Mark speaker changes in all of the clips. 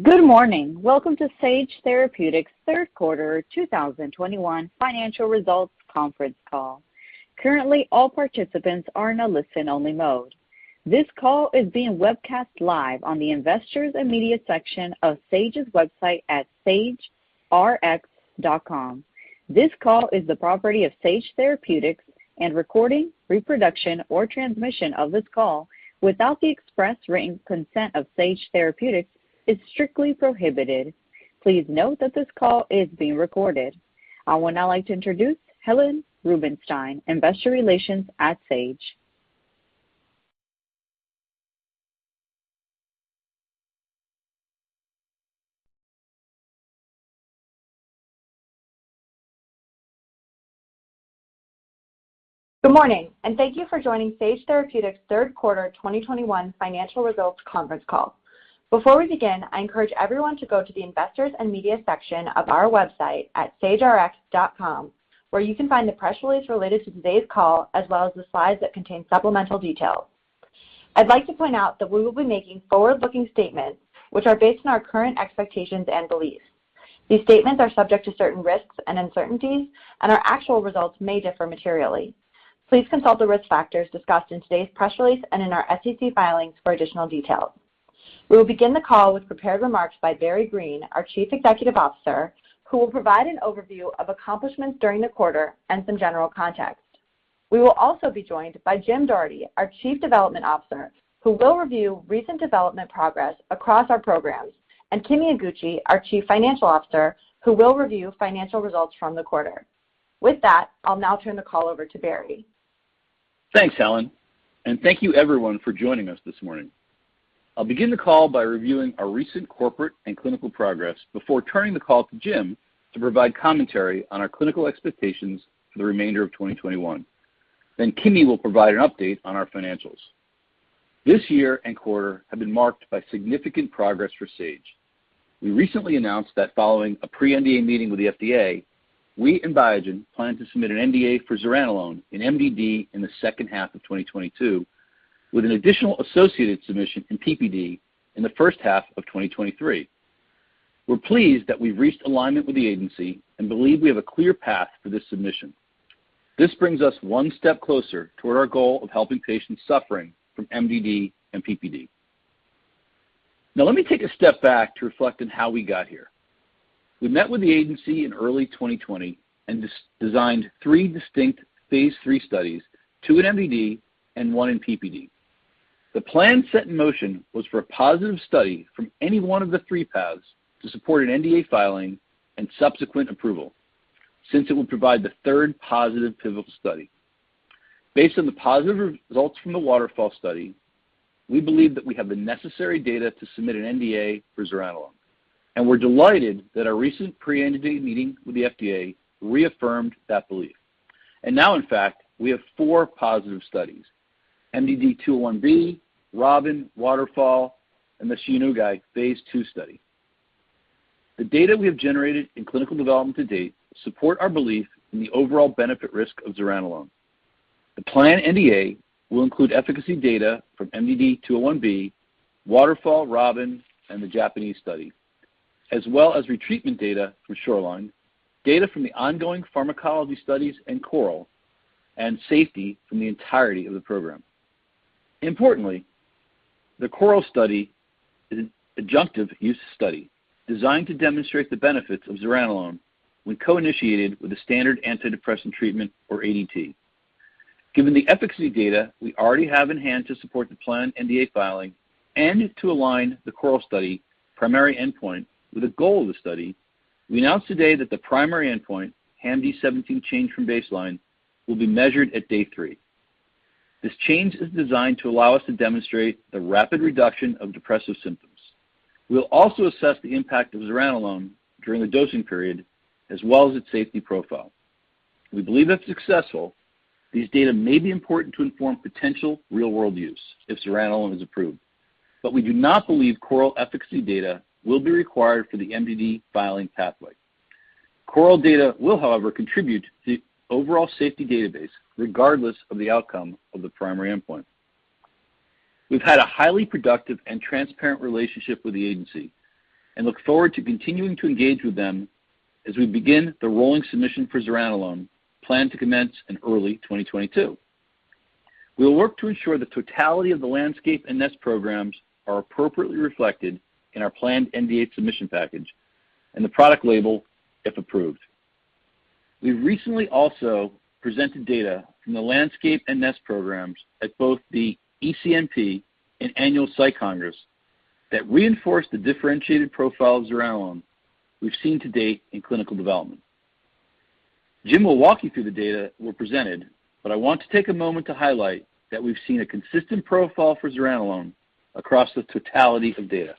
Speaker 1: Good morning. Welcome to Sage Therapeutics' third quarter 2021 financial results conference call. Currently, all participants are in a listen-only mode. This call is being webcast live on the Investors and Media section of Sage's website at sagerx.com. This call is the property of Sage Therapeutics, and recording, reproduction or transmission of this call without the express written consent of Sage Therapeutics is strictly prohibited. Please note that this call is being recorded. I would now like to introduce Helen Rubinstein, Investor Relations at Sage.
Speaker 2: Good morning, and thank you for joining Sage Therapeutics' third quarter 2021 financial results conference call. Before we begin, I encourage everyone to go to the Investors and Media section of our website at sagerx.com, where you can find the press release related to today's call, as well as the slides that contain supplemental details. I'd like to point out that we will be making forward-looking statements, which are based on our current expectations and beliefs. These statements are subject to certain risks and uncertainties, and our actual results may differ materially. Please consult the risk factors discussed in today's press release and in our SEC filings for additional details. We will begin the call with prepared remarks by Barry Greene, our Chief Executive Officer, who will provide an overview of accomplishments during the quarter and some general context. We will also be joined by Jim Doherty, our Chief Development Officer, who will review recent development progress across our programs, and Kimi Iguchi, our Chief Financial Officer, who will review financial results from the quarter. With that, I'll now turn the call over to Barry.
Speaker 3: Thanks, Helen, and thank you everyone for joining us this morning. I'll begin the call by reviewing our recent corporate and clinical progress before turning the call to Jim to provide commentary on our clinical expectations for the remainder of 2021. Then Kimi will provide an update on our financials. This year and quarter have been marked by significant progress for Sage. We recently announced that following a pre-NDA meeting with the FDA, we and Biogen plan to submit an NDA for zuranolone in MDD in the second half of 2022, with an additional associated submission in PPD in the first half of 2023. We're pleased that we've reached alignment with the agency and believe we have a clear path for this submission. This brings us one step closer toward our goal of helping patients suffering from MDD and PPD. Now let me take a step back to reflect on how we got here. We met with the agency in early 2020 and designed three distinct phase III studies, two in MDD and one in PPD. The plan set in motion was for a positive study from any one of the three paths to support an NDA filing and subsequent approval since it would provide the third positive pivotal study. Based on the positive results from the WATERFALL study, we believe that we have the necessary data to submit an NDA for zuranolone, and we're delighted that our recent pre-NDA meeting with the FDA reaffirmed that belief. Now in fact, we have four positive studies, MDD-201B, ROBIN, WATERFALL, and the Shionogi phase II study. The data we have generated in clinical development to date support our belief in the overall benefit risk of zuranolone. The planned NDA will include efficacy data from MDD-201B, WATERFALL, ROBIN, and the Japanese study, as well as retreatment data from SHORELINE, data from the ongoing pharmacology studies in CORAL, and safety from the entirety of the program. Importantly, the CORAL study is an adjunctive use study designed to demonstrate the benefits of zuranolone when co-initiated with a standard antidepressant treatment or ADT. Given the efficacy data we already have in hand to support the planned NDA filing and to align the CORAL study primary endpoint with the goal of the study, we announced today that the primary endpoint, HAM-D17 change from baseline, will be measured at day three. This change is designed to allow us to demonstrate the rapid reduction of depressive symptoms. We'll also assess the impact of zuranolone during the dosing period as well as its safety profile. We believe if successful, these data may be important to inform potential real-world use if zuranolone is approved. We do not believe CORAL efficacy data will be required for the MDD filing pathway. CORAL data will, however, contribute to the overall safety database regardless of the outcome of the primary endpoint. We've had a highly productive and transparent relationship with the agency and look forward to continuing to engage with them as we begin the rolling submission for zuranolone planned to commence in early 2022. We will work to ensure the totality of the LANDSCAPE and NEST programs are appropriately reflected in our planned NDA submission package and the product label, if approved. We recently also presented data from the LANDSCAPE and NEST programs at both the ECNP and annual Psych Congress that reinforce the differentiated profile of zuranolone we've seen to date in clinical development. Jim will walk you through the data we presented, but I want to take a moment to highlight that we've seen a consistent profile for zuranolone across the totality of data.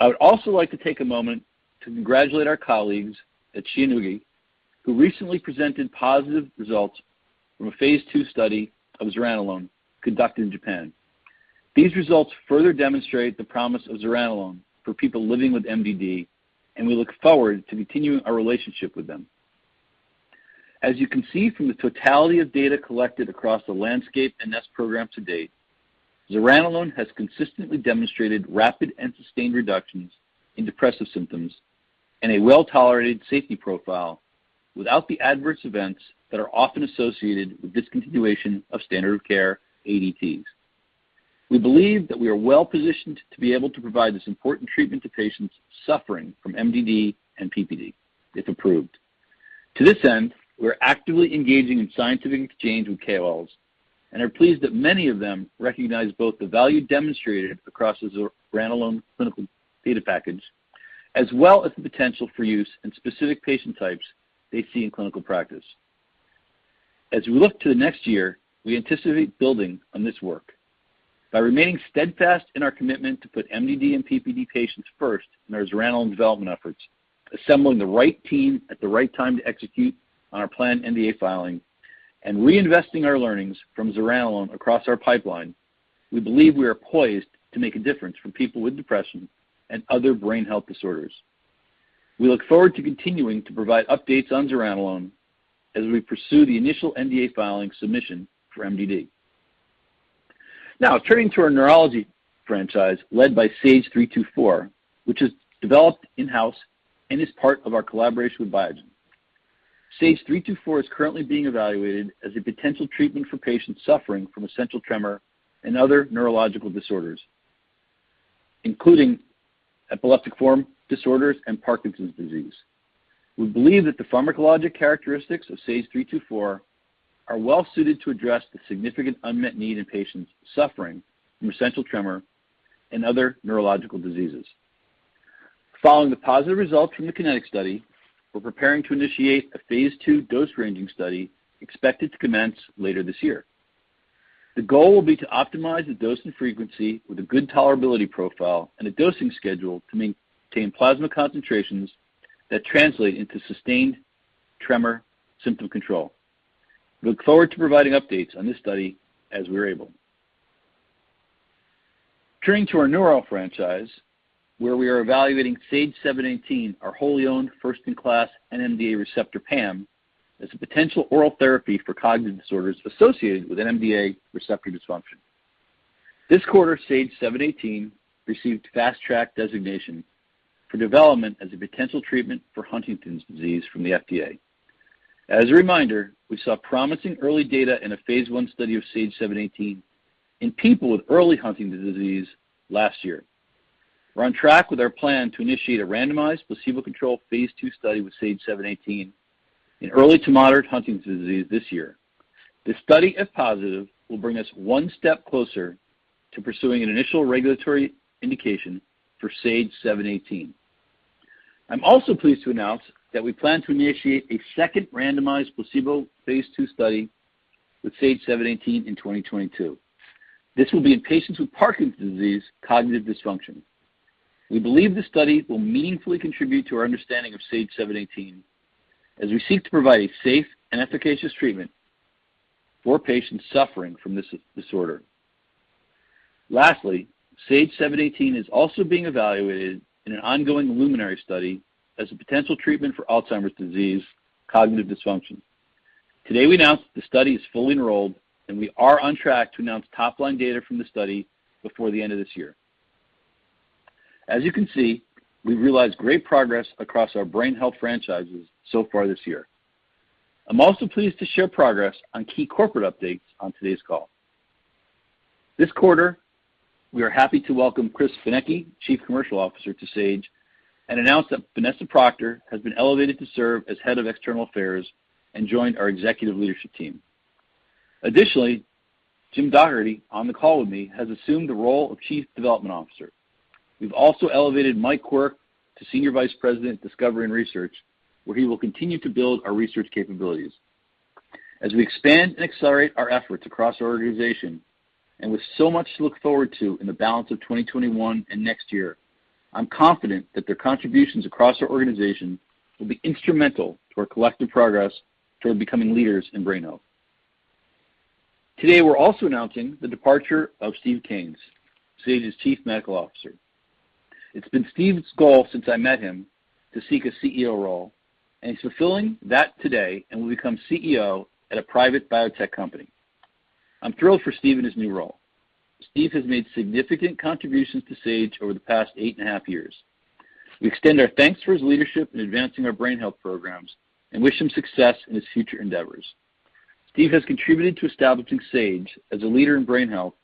Speaker 3: I would also like to take a moment to congratulate our colleagues at Shionogi, who recently presented positive results from a phase II study of zuranolone conducted in Japan. These results further demonstrate the promise of zuranolone for people living with MDD, and we look forward to continuing our relationship with them. As you can see from the totality of data collected across the LANDSCAPE and NEST program to date, zuranolone has consistently demonstrated rapid and sustained reductions in depressive symptoms and a well-tolerated safety profile without the adverse events that are often associated with discontinuation of standard of care ADTs. We believe that we are well-positioned to be able to provide this important treatment to patients suffering from MDD and PPD, if approved. To this end, we are actively engaging in scientific exchange with KOLs and are pleased that many of them recognize both the value demonstrated across the zuranolone clinical data package, as well as the potential for use in specific patient types they see in clinical practice. As we look to the next year, we anticipate building on this work. By remaining steadfast in our commitment to put MDD and PPD patients first in our zuranolone development efforts, assembling the right team at the right time to execute on our planned NDA filing, and reinvesting our learnings from zuranolone across our pipeline, we believe we are poised to make a difference for people with depression and other brain health disorders. We look forward to continuing to provide updates on zuranolone as we pursue the initial NDA filing submission for MDD. Now turning to our neurology franchise led by SAGE-324, which is developed in-house and is part of our collaboration with Biogen. SAGE-324 is currently being evaluated as a potential treatment for patients suffering from essential tremor and other neurological disorders, including epileptiform disorders and Parkinson's disease. We believe that the pharmacologic characteristics of SAGE-324 are well-suited to address the significant unmet need in patients suffering from essential tremor and other neurological diseases. Following the positive results from the KINETIC study, we're preparing to initiate a phase II dose-ranging study expected to commence later this year. The goal will be to optimize the dose and frequency with a good tolerability profile and a dosing schedule to maintain plasma concentrations that translate into sustained tremor symptom control. We look forward to providing updates on this study as we are able. Turning to our neural franchise, where we are evaluating SAGE-718, our wholly owned first-in-class NMDA receptor PAM, as a potential oral therapy for cognitive disorders associated with NMDA receptor dysfunction. This quarter, SAGE-718 received Fast Track designation for development as a potential treatment for Huntington's disease from the FDA. As a reminder, we saw promising early data in a phase I study of SAGE-718 in people with early Huntington's disease last year. We're on track with our plan to initiate a randomized placebo-controlled phase II study with SAGE-718 in early to moderate Huntington's disease this year. This study, if positive, will bring us one step closer to pursuing an initial regulatory indication for SAGE-718. I'm also pleased to announce that we plan to initiate a second randomized placebo phase II study with SAGE-718 in 2022. This will be in patients with Parkinson's disease cognitive dysfunction. We believe this study will meaningfully contribute to our understanding of SAGE-718 as we seek to provide a safe and efficacious treatment for patients suffering from this disorder. Lastly, SAGE-718 is also being evaluated in an ongoing LUMINARY study as a potential treatment for Alzheimer's disease cognitive dysfunction. Today, we announced the study is fully enrolled, and we are on track to announce top-line data from the study before the end of this year. As you can see, we've realized great progress across our brain health franchises so far this year. I'm also pleased to share progress on key corporate updates on today's call. This quarter, we are happy to welcome Chris Benecchi, Chief Commercial Officer to Sage, and announce that Vanessa Procter has been elevated to serve as Head of External Affairs and joined our executive leadership team. Additionally, Jim Doherty, on the call with me, has assumed the role of Chief Development Officer. We've also elevated Mike Quirk to Senior Vice President, Discovery and Research, where he will continue to build our research capabilities. As we expand and accelerate our efforts across our organization, and with so much to look forward to in the balance of 2021 and next year, I'm confident that their contributions across our organization will be instrumental to our collective progress toward becoming leaders in brain health. Today, we're also announcing the departure of Steve Kanes, Sage's Chief Medical Officer. It's been Steve's goal since I met him to seek a CEO role, and he's fulfilling that today and will become CEO at a private biotech company. I'm thrilled for Steve in his new role. Steve has made significant contributions to Sage over the past 8.5 years. We extend our thanks for his leadership in advancing our brain health programs and wish him success in his future endeavors. Steve has contributed to establishing Sage as a leader in brain health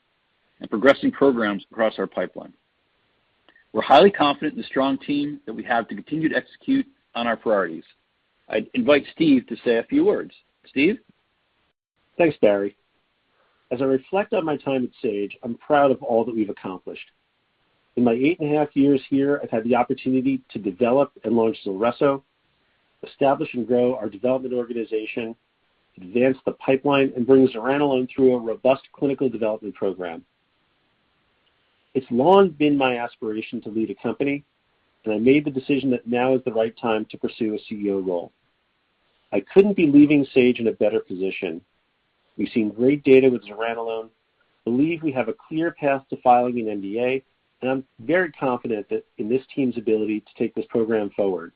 Speaker 3: and progressing programs across our pipeline. We're highly confident in the strong team that we have to continue to execute on our priorities. I invite Steve to say a few words. Steve?
Speaker 4: Thanks, Barry. As I reflect on my time at Sage, I'm proud of all that we've accomplished. In my eight and a half years here, I've had the opportunity to develop and launch Zulresso, establish and grow our development organization, advance the pipeline, and bring zuranolone through a robust clinical development program. It's long been my aspiration to lead a company, and I made the decision that now is the right time to pursue a CEO role. I couldn't be leaving Sage in a better position. We've seen great data with zuranolone, believe we have a clear path to filing an NDA, and I'm very confident that in this team's ability to take this program forward.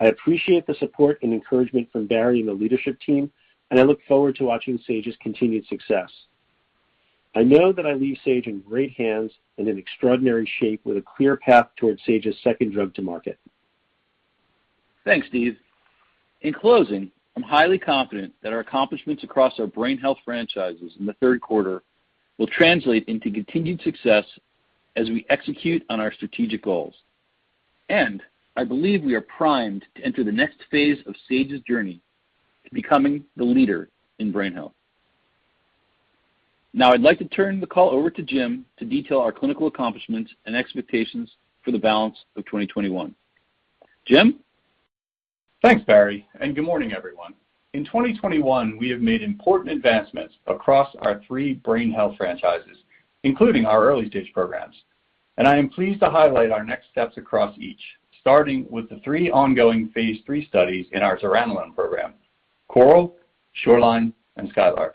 Speaker 4: I appreciate the support and encouragement from Barry and the leadership team, and I look forward to watching Sage's continued success. I know that I leave Sage in great hands and in extraordinary shape with a clear path towards Sage's second drug to market.
Speaker 3: Thanks, Steve. In closing, I'm highly confident that our accomplishments across our brain health franchises in the third quarter will translate into continued success as we execute on our strategic goals. I believe we are primed to enter the next phase of Sage's journey to becoming the leader in brain health. Now I'd like to turn the call over to Jim to detail our clinical accomplishments and expectations for the balance of 2021. Jim?
Speaker 5: Thanks, Barry, and good morning, everyone. In 2021, we have made important advancements across our three brain health franchises, including our early-stage programs. I am pleased to highlight our next steps across each, starting with the three ongoing phase III studies in our zuranolone program, CORAL, SHORELINE, and SKYLARK.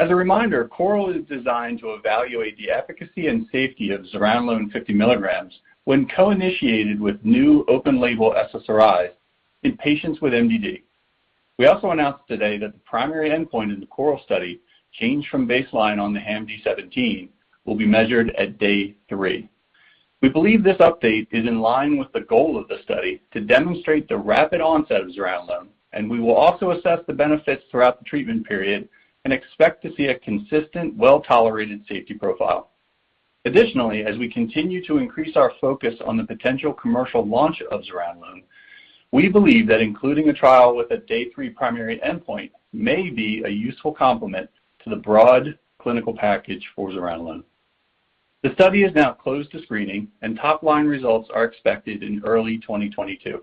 Speaker 5: As a reminder, CORAL is designed to evaluate the efficacy and safety of zuranolone 50 mg when co-initiated with newly open-label SSRIs in patients with MDD. We also announced today that the primary endpoint in the CORAL study, change from baseline on the HAM-D17, will be measured at day three. We believe this update is in line with the goal of the study to demonstrate the rapid onset of zuranolone, and we will also assess the benefits throughout the treatment period and expect to see a consistent, well-tolerated safety profile. Additionally, as we continue to increase our focus on the potential commercial launch of zuranolone, we believe that including a trial with a day three primary endpoint may be a useful complement to the broad clinical package for zuranolone. The study is now closed to screening, and top-line results are expected in early 2022.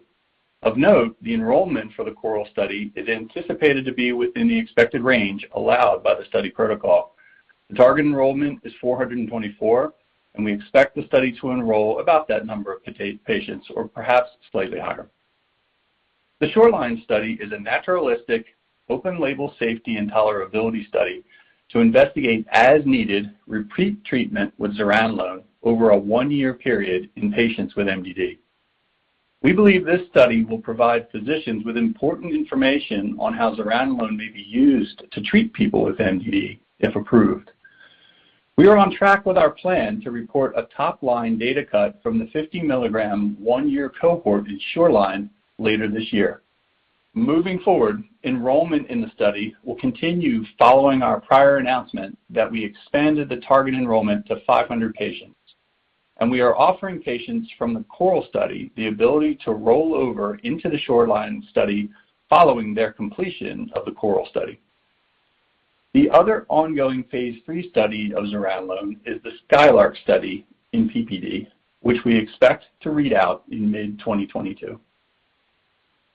Speaker 5: Of note, the enrollment for the CORAL study is anticipated to be within the expected range allowed by the study protocol. The target enrollment is 424, and we expect the study to enroll about that number of patients or perhaps slightly higher. The SHORELINE study is a naturalistic open label safety and tolerability study to investigate as needed repeat treatment with zuranolone over a one-year period in patients with MDD. We believe this study will provide physicians with important information on how zuranolone may be used to treat people with MDD if approved. We are on track with our plan to report a top-line data cut from the 50 mg one-year cohort in SHORELINE later this year. Moving forward, enrollment in the study will continue following our prior announcement that we expanded the target enrollment to 500 patients. We are offering patients from the CORAL study the ability to roll over into the SHORELINE study following their completion of the CORAL study. The other ongoing phase III study of zuranolone is the SKYLARK study in PPD, which we expect to read out in mid-2022.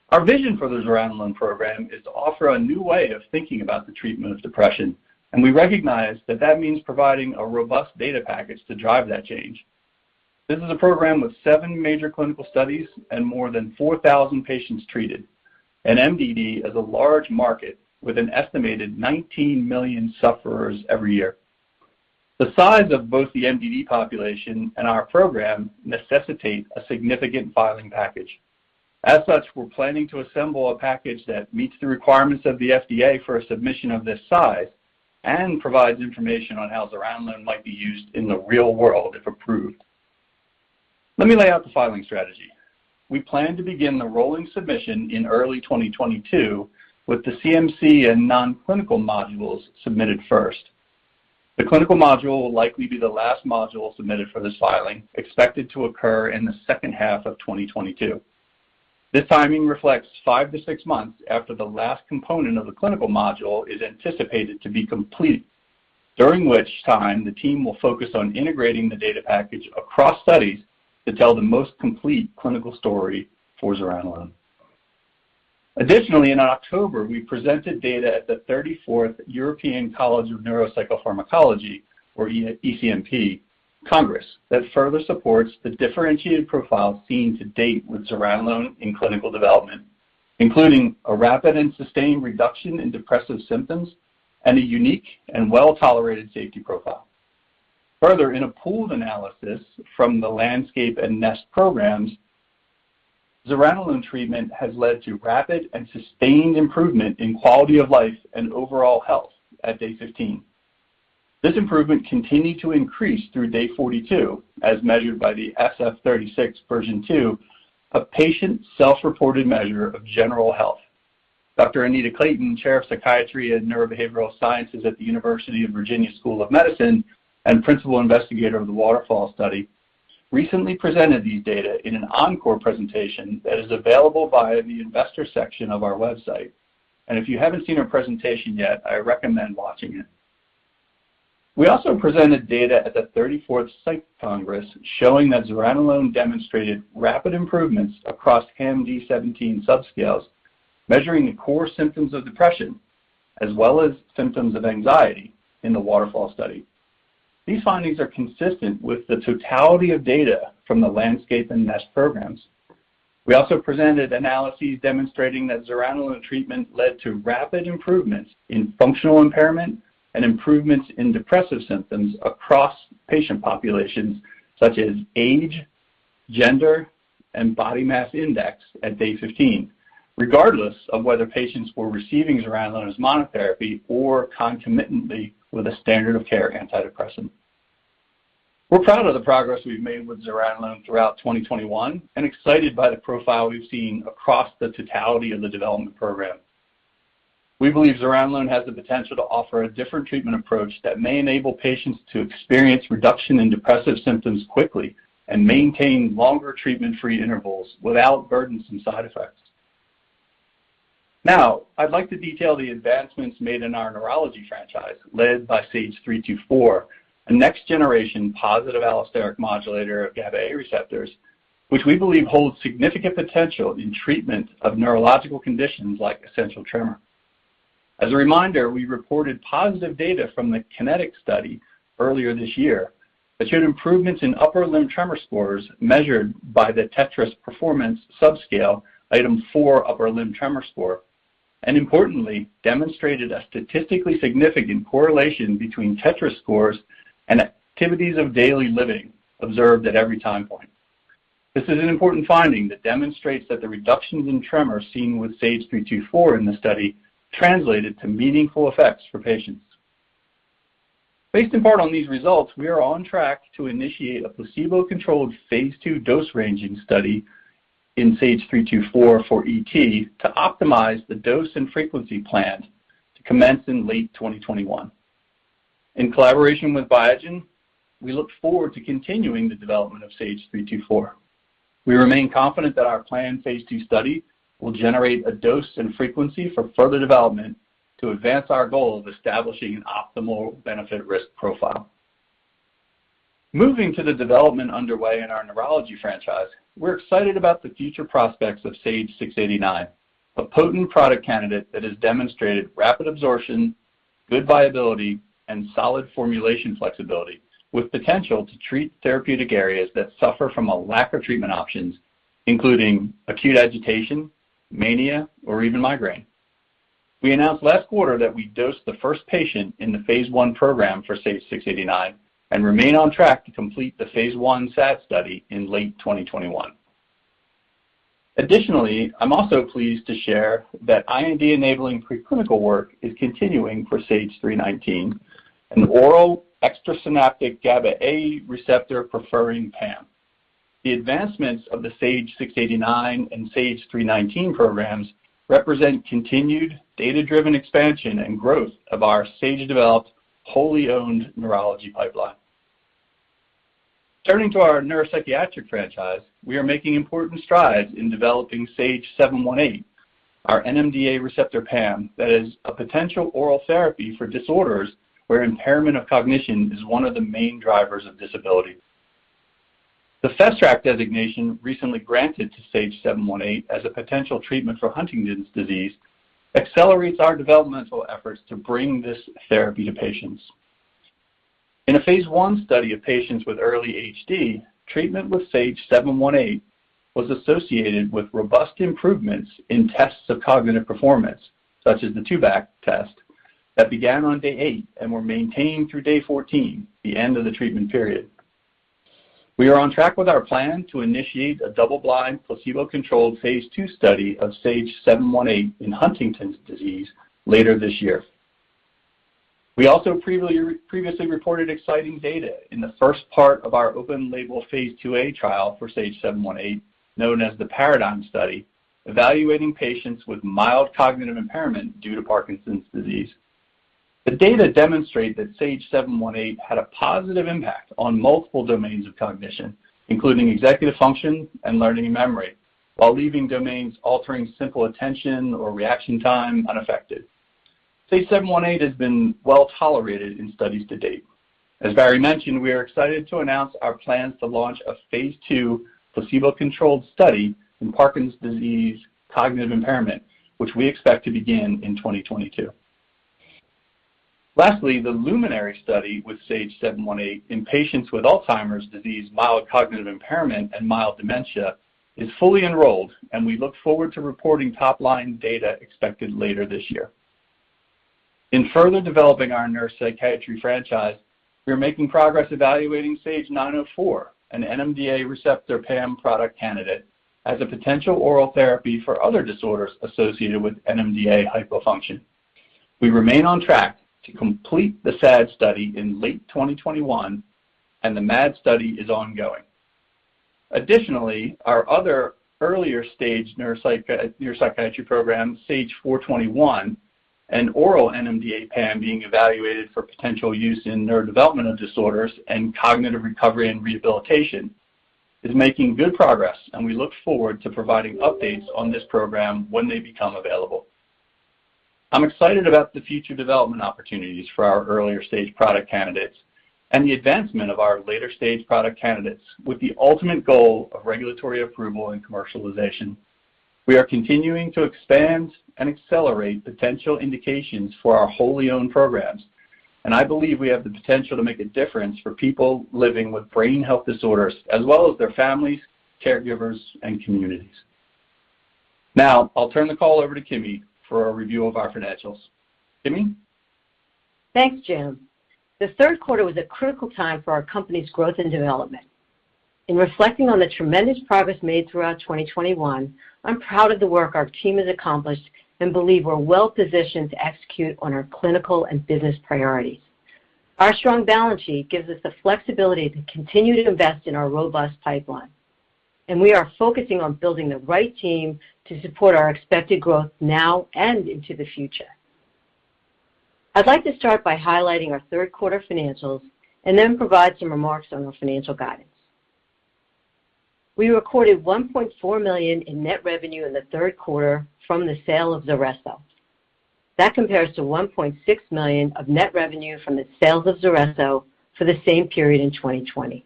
Speaker 5: Our vision for the zuranolone program is to offer a new way of thinking about the treatment of depression, and we recognize that that means providing a robust data package to drive that change. This is a program with seven major clinical studies and more than 4,000 patients treated. MDD is a large market with an estimated 19 million sufferers every year. The size of both the MDD population and our program necessitate a significant filing package. As such, we're planning to assemble a package that meets the requirements of the FDA for a submission of this size and provides information on how zuranolone might be used in the real world if approved. Let me lay out the filing strategy. We plan to begin the rolling submission in early 2022 with the CMC and non-clinical modules submitted first. The clinical module will likely be the last module submitted for this filing, expected to occur in the second half of 2022. This timing reflects five-six months after the last component of the clinical module is anticipated to be complete, during which time the team will focus on integrating the data package across studies to tell the most complete clinical story for zuranolone. Additionally, in October, we presented data at the 34th European College of Neuropsychopharmacology or ECNP Congress that further supports the differentiated profile seen to date with zuranolone in clinical development, including a rapid and sustained reduction in depressive symptoms and a unique and well-tolerated safety profile. Further, in a pooled analysis from the LANDSCAPE and NEST programs, zuranolone treatment has led to rapid and sustained improvement in quality of life and overall health at day 15. This improvement continued to increase through day 42 as measured by the SF-36v2, a patient self-reported measure of general health. Dr. Anita Clayton, Chair of Psychiatry and Neurobehavioral Sciences at the University of Virginia School of Medicine and Principal Investigator of the Waterfall study, recently presented these data in an encore presentation that is available via the investor section of our website. If you haven't seen her presentation yet, I recommend watching it. We also presented data at the 34th Psych Congress showing that zuranolone demonstrated rapid improvements across HAM-D17 subscales measuring the core symptoms of depression as well as symptoms of anxiety in the Waterfall study. These findings are consistent with the totality of data from the Landscape and Nest programs. We also presented analyses demonstrating that zuranolone treatment led to rapid improvements in functional impairment and improvements in depressive symptoms across patient populations such as age, gender, and body mass index at day 15, regardless of whether patients were receiving zuranolone as monotherapy or concomitantly with a standard of care antidepressant. We're proud of the progress we've made with zuranolone throughout 2021 and excited by the profile we've seen across the totality of the development program. We believe zuranolone has the potential to offer a different treatment approach that may enable patients to experience reduction in depressive symptoms quickly and maintain longer treatment-free intervals without burdensome side effects. Now I'd like to detail the advancements made in our neurology franchise led by SAGE-324, a next generation positive allosteric modulator of GABA A receptors which we believe holds significant potential in treatment of neurological conditions like essential tremor. As a reminder, we reported positive data from the KINETIC study earlier this year that showed improvements in upper limb tremor scores measured by the TETRAS performance subscale item 4 upper limb tremor score, and importantly, demonstrated a statistically significant correlation between TETRAS scores and activities of daily living observed at every time point. This is an important finding that demonstrates that the reductions in tremors seen with SAGE-324 in the study translated to meaningful effects for patients. Based in part on these results, we are on track to initiate a placebo-controlled phase II dose ranging study in SAGE-324 for ET to optimize the dose and frequency planned to commence in late 2021. In collaboration with Biogen, we look forward to continuing the development of SAGE-324. We remain confident that our planned phase II study will generate a dose and frequency for further development to advance our goal of establishing an optimal benefit-risk profile. Moving to the development underway in our neurology franchise, we're excited about the future prospects of SAGE-689, a potent product candidate that has demonstrated rapid absorption, good bioavailability, and solid formulation flexibility with potential to treat therapeutic areas that suffer from a lack of treatment options, including acute agitation, mania, or even migraine. We announced last quarter that we dosed the first patient in the phase I program for SAGE-689 and remain on track to complete the phase I SAD study in late 2021. Additionally, I'm also pleased to share that IND-enabling preclinical work is continuing for SAGE-319, an oral extrasynaptic GABAA receptor preferring PAM. The advancements of the SAGE-689 and SAGE-319 programs represent continued data-driven expansion and growth of our Sage-developed, wholly owned neurology pipeline. Turning to our neuropsychiatric franchise, we are making important strides in developing SAGE-718, our NMDA receptor PAM that is a potential oral therapy for disorders where impairment of cognition is one of the main drivers of disability. The Fast Track designation recently granted to SAGE-718 as a potential treatment for Huntington's disease accelerates our developmental efforts to bring this therapy to patients. In a phase I study of patients with early HD, treatment with SAGE-718 was associated with robust improvements in tests of cognitive performance, such as the Stroop test that began on day eight and were maintained through day 14, the end of the treatment period. We are on track with our plan to initiate a double-blind, placebo-controlled phase II study of SAGE-718 in Huntington's disease later this year. We also previously reported exciting data in the first part of our open-label phase IIa trial for SAGE-718, known as the PARADIGM study, evaluating patients with mild cognitive impairment due to Parkinson's disease. The data demonstrate that SAGE-718 had a positive impact on multiple domains of cognition, including executive function and learning and memory, while leaving domains altering simple attention or reaction time unaffected. SAGE-718 has been well-tolerated in studies to date. As Barry mentioned, we are excited to announce our plans to launch a phase II placebo-controlled study in Parkinson's disease cognitive impairment, which we expect to begin in 2022. Lastly, the LUMINARY study with SAGE-718 in patients with Alzheimer's disease, mild cognitive impairment, and mild dementia is fully enrolled, and we look forward to reporting top-line data expected later this year. In further developing our neuropsychiatry franchise, we are making progress evaluating SAGE-904, an NMDA receptor PAM product candidate as a potential oral therapy for other disorders associated with NMDA hypofunction. We remain on track to complete the SAD study in late 2021, and the MAD study is ongoing. Additionally, our other earlier stage neuropsychiatry program, SAGE-421, an oral NMDA PAM being evaluated for potential use in neurodevelopmental disorders and cognitive recovery and rehabilitation, is making good progress, and we look forward to providing updates on this program when they become available. I'm excited about the future development opportunities for our earlier stage product candidates and the advancement of our later stage product candidates with the ultimate goal of regulatory approval and commercialization. We are continuing to expand and accelerate potential indications for our wholly owned programs, and I believe we have the potential to make a difference for people living with brain health disorders as well as their families, caregivers, and communities. Now, I'll turn the call over to Kimi for a review of our financials. Kimi?
Speaker 6: Thanks, Jim. The third quarter was a critical time for our company's growth and development. In reflecting on the tremendous progress made throughout 2021, I'm proud of the work our team has accomplished and believe we're well positioned to execute on our clinical and business priorities. Our strong balance sheet gives us the flexibility to continue to invest in our robust pipeline, and we are focusing on building the right team to support our expected growth now and into the future. I'd like to start by highlighting our third quarter financials and then provide some remarks on our financial guidance. We recorded $1.4 million in net revenue in the third quarter from the sale of Zulresso. That compares to $1.6 million of net revenue from the sales of Zulresso for the same period in 2020.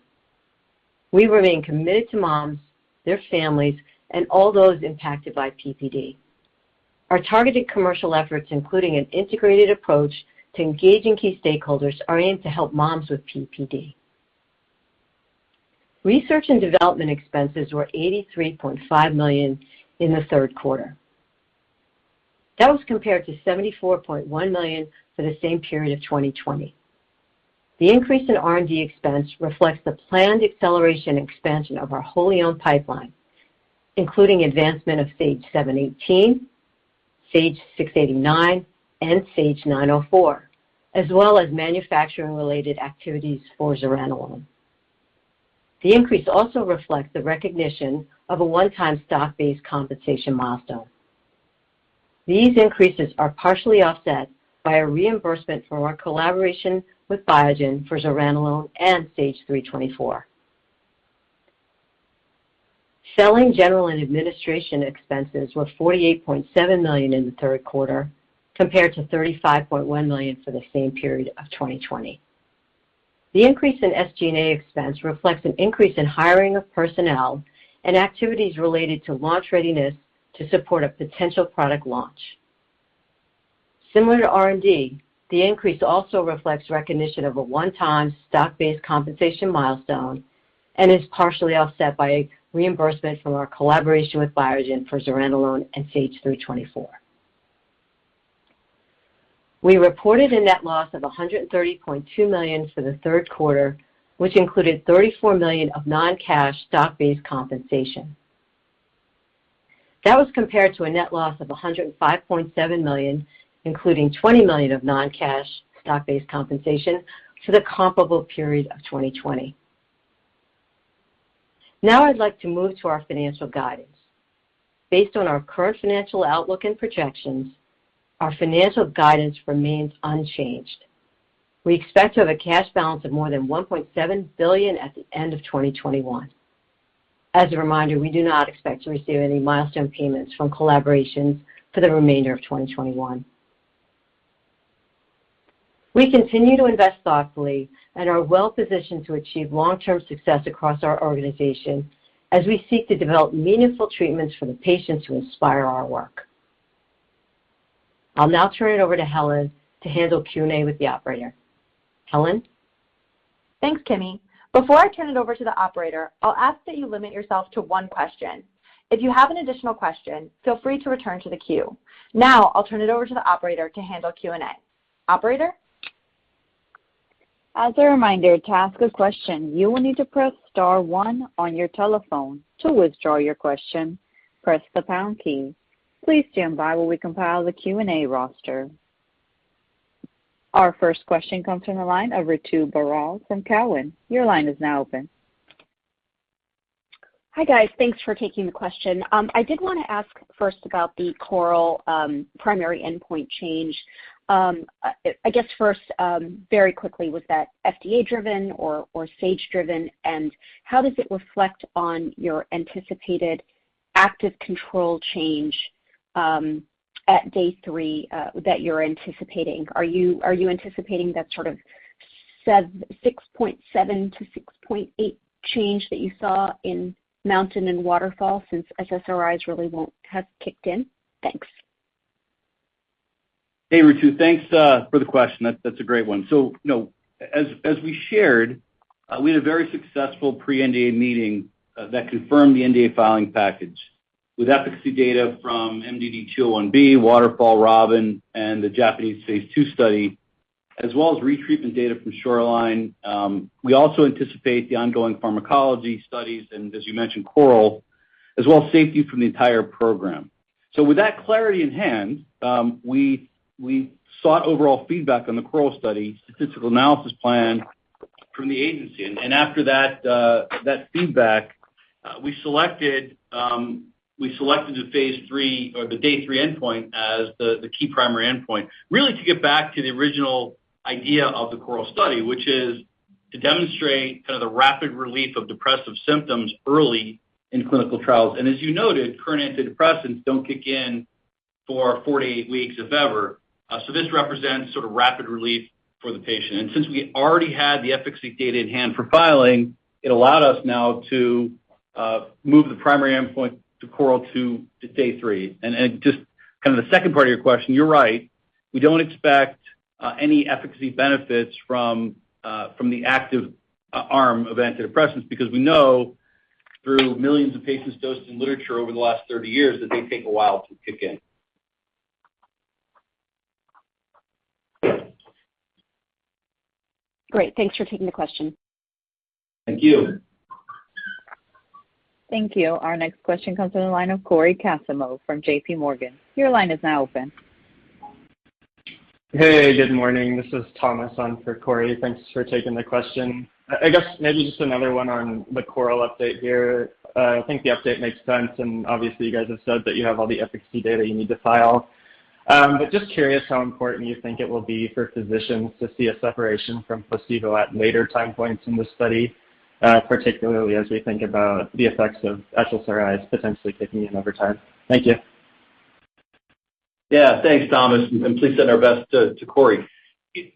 Speaker 6: We remain committed to moms, their families, and all those impacted by PPD. Our targeted commercial efforts, including an integrated approach to engaging key stakeholders, are aimed to help moms with PPD. Research and development expenses were $83.5 million in the third quarter. That was compared to $74.1 million for the same period of 2020. The increase in R&D expense reflects the planned acceleration expansion of our wholly owned pipeline, including advancement of SAGE-718, SAGE-689, and SAGE-904, as well as manufacturing-related activities for zuranolone. The increase also reflects the recognition of a one-time stock-based compensation milestone. These increases are partially offset by a reimbursement from our collaboration with Biogen for zuranolone and SAGE-324. Selling, general, and administration expenses were $48.7 million in the third quarter compared to $35.1 million for the same period of 2020. The increase in SG&A expense reflects an increase in hiring of personnel and activities related to launch readiness to support a potential product launch. Similar to R&D, the increase also reflects recognition of a one-time stock-based compensation milestone and is partially offset by a reimbursement from our collaboration with Biogen for zuranolone and SAGE-324. We reported a net loss of $130.2 million for the third quarter, which included $34 million of non-cash stock-based compensation. That was compared to a net loss of $105.7 million, including $20 million of non-cash stock-based compensation for the comparable period of 2020. Now, I'd like to move to our financial guidance. Based on our current financial outlook and projections, our financial guidance remains unchanged. We expect to have a cash balance of more than $1.7 billion at the end of 2021. As a reminder, we do not expect to receive any milestone payments from collaborations for the remainder of 2021. We continue to invest thoughtfully and are well positioned to achieve long-term success across our organization as we seek to develop meaningful treatments for the patients who inspire our work. I'll now turn it over to Helen to handle Q&A with the operator. Helen?
Speaker 2: Thanks, Kimi. Before I turn it over to the operator, I'll ask that you limit yourself to one question. If you have an additional question, feel free to return to the queue. Now, I'll turn it over to the operator to handle Q&A. Operator?
Speaker 1: As a reminder, to ask a question, you will need to press star one on your telephone. To withdraw your question, press the pound key. Please stand by while we compile the Q&A roster. Our first question comes from the line of Ritu Baral from Cowen. Your line is now open.
Speaker 7: Hi, guys. Thanks for taking the question. I did want to ask first about the CORAL primary endpoint change. I guess first, very quickly, was that FDA driven or Sage driven? How does it reflect on your anticipated active control change at day three that you're anticipating? Are you anticipating that sort of 6.7-6.8 change that you saw in MOUNTAIN and WATERFALL since SSRIs really won't have kicked in? Thanks.
Speaker 3: Hey, Ritu. Thanks for the question. That's a great one. You know, as we shared, we had a very successful pre-NDA meeting that confirmed the NDA filing package with efficacy data from MDD-201B, WATERFALL, ROBIN, and the Japanese phase II study, as well as retreatment data from SHORELINE. We also anticipate the ongoing pharmacology studies and, as you mentioned, CORAL, as well as safety from the entire program. With that clarity in hand, we sought overall feedback on the CORAL study statistical analysis plan from the agency. After that feedback, we selected the phase III or the day three endpoint as the key primary endpoint, really to get back to the original idea of the CORAL study, which is to demonstrate kind of the rapid relief of depressive symptoms early in clinical trials. As you noted, current antidepressants don't kick in for 48 weeks, if ever. This represents sort of rapid relief for the patient. Since we already had the efficacy data in hand for filing, it allowed us now to move the primary endpoint to CORAL-2 to Day three. Just kind of the second part of your question, you're right. We don't expect any efficacy benefits from the active arm of antidepressants because we know through millions of patients dosed in literature over the last 30 years that they take a while to kick in.
Speaker 7: Great. Thanks for taking the question.
Speaker 3: Thank you.
Speaker 1: Thank you. Our next question comes from the line of Cory Kasimov from JPMorgan. Your line is now open.
Speaker 8: Hey, good morning. This is Thomas on for Cory. Thanks for taking the question. I guess maybe just another one on the CORAL update here. I think the update makes sense, and obviously you guys have said that you have all the efficacy data you need to file. But just curious how important you think it will be for physicians to see a separation from placebo at later time points in this study, particularly as we think about the effects of SSRIs potentially kicking in over time? Thank you.
Speaker 3: Yeah. Thanks, Thomas, and please send our best to Cory. You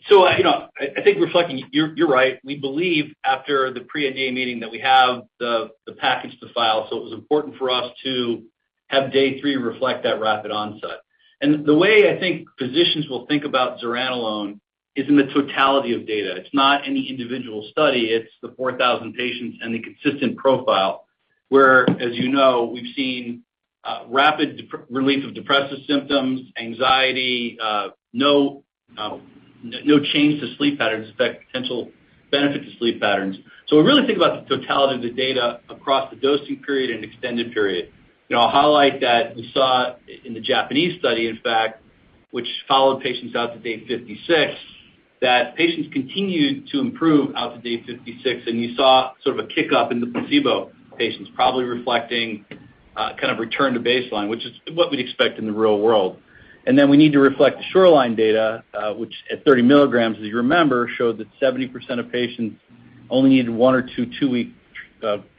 Speaker 3: know, I think reflecting, you're right. We believe after the pre-NDA meeting that we have the package to file, so it was important for us to have Day Three reflect that rapid onset. The way I think physicians will think about zuranolone is in the totality of data. It's not any individual study, it's the 4,000 patients and the consistent profile, where, as you know, we've seen rapid relief of depressive symptoms, anxiety, no change to sleep patterns, in fact, potential benefit to sleep patterns. We really think about the totality of the data across the dosing period and extended period. You know, I'll highlight that we saw in the Japanese study, in fact, which followed patients out to Day 56, that patients continued to improve out to Day 56, and you saw sort of a kick up in the placebo patients, probably reflecting kind of return to baseline, which is what we'd expect in the real world. We need to reflect the SHORELINE data, which at 30 mg, as you remember, showed that 70% of patients only needed one or two two-week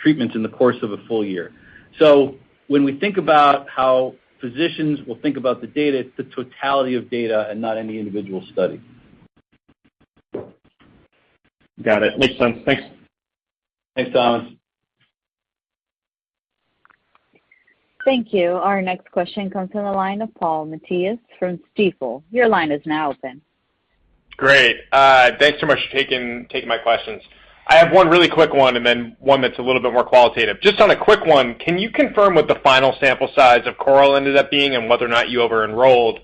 Speaker 3: treatments in the course of a full year. When we think about how physicians will think about the data, it's the totality of data and not any individual study.
Speaker 8: Got it. Makes sense. Thanks.
Speaker 3: Thanks, Thomas.
Speaker 1: Thank you. Our next question comes from the line of Paul Matteis from Stifel. Your line is now open.
Speaker 9: Great. Thanks so much for taking my questions. I have one really quick one and then one that's a little bit more qualitative. Just on a quick one, can you confirm what the final sample size of CORAL ended up being and whether or not you over enrolled?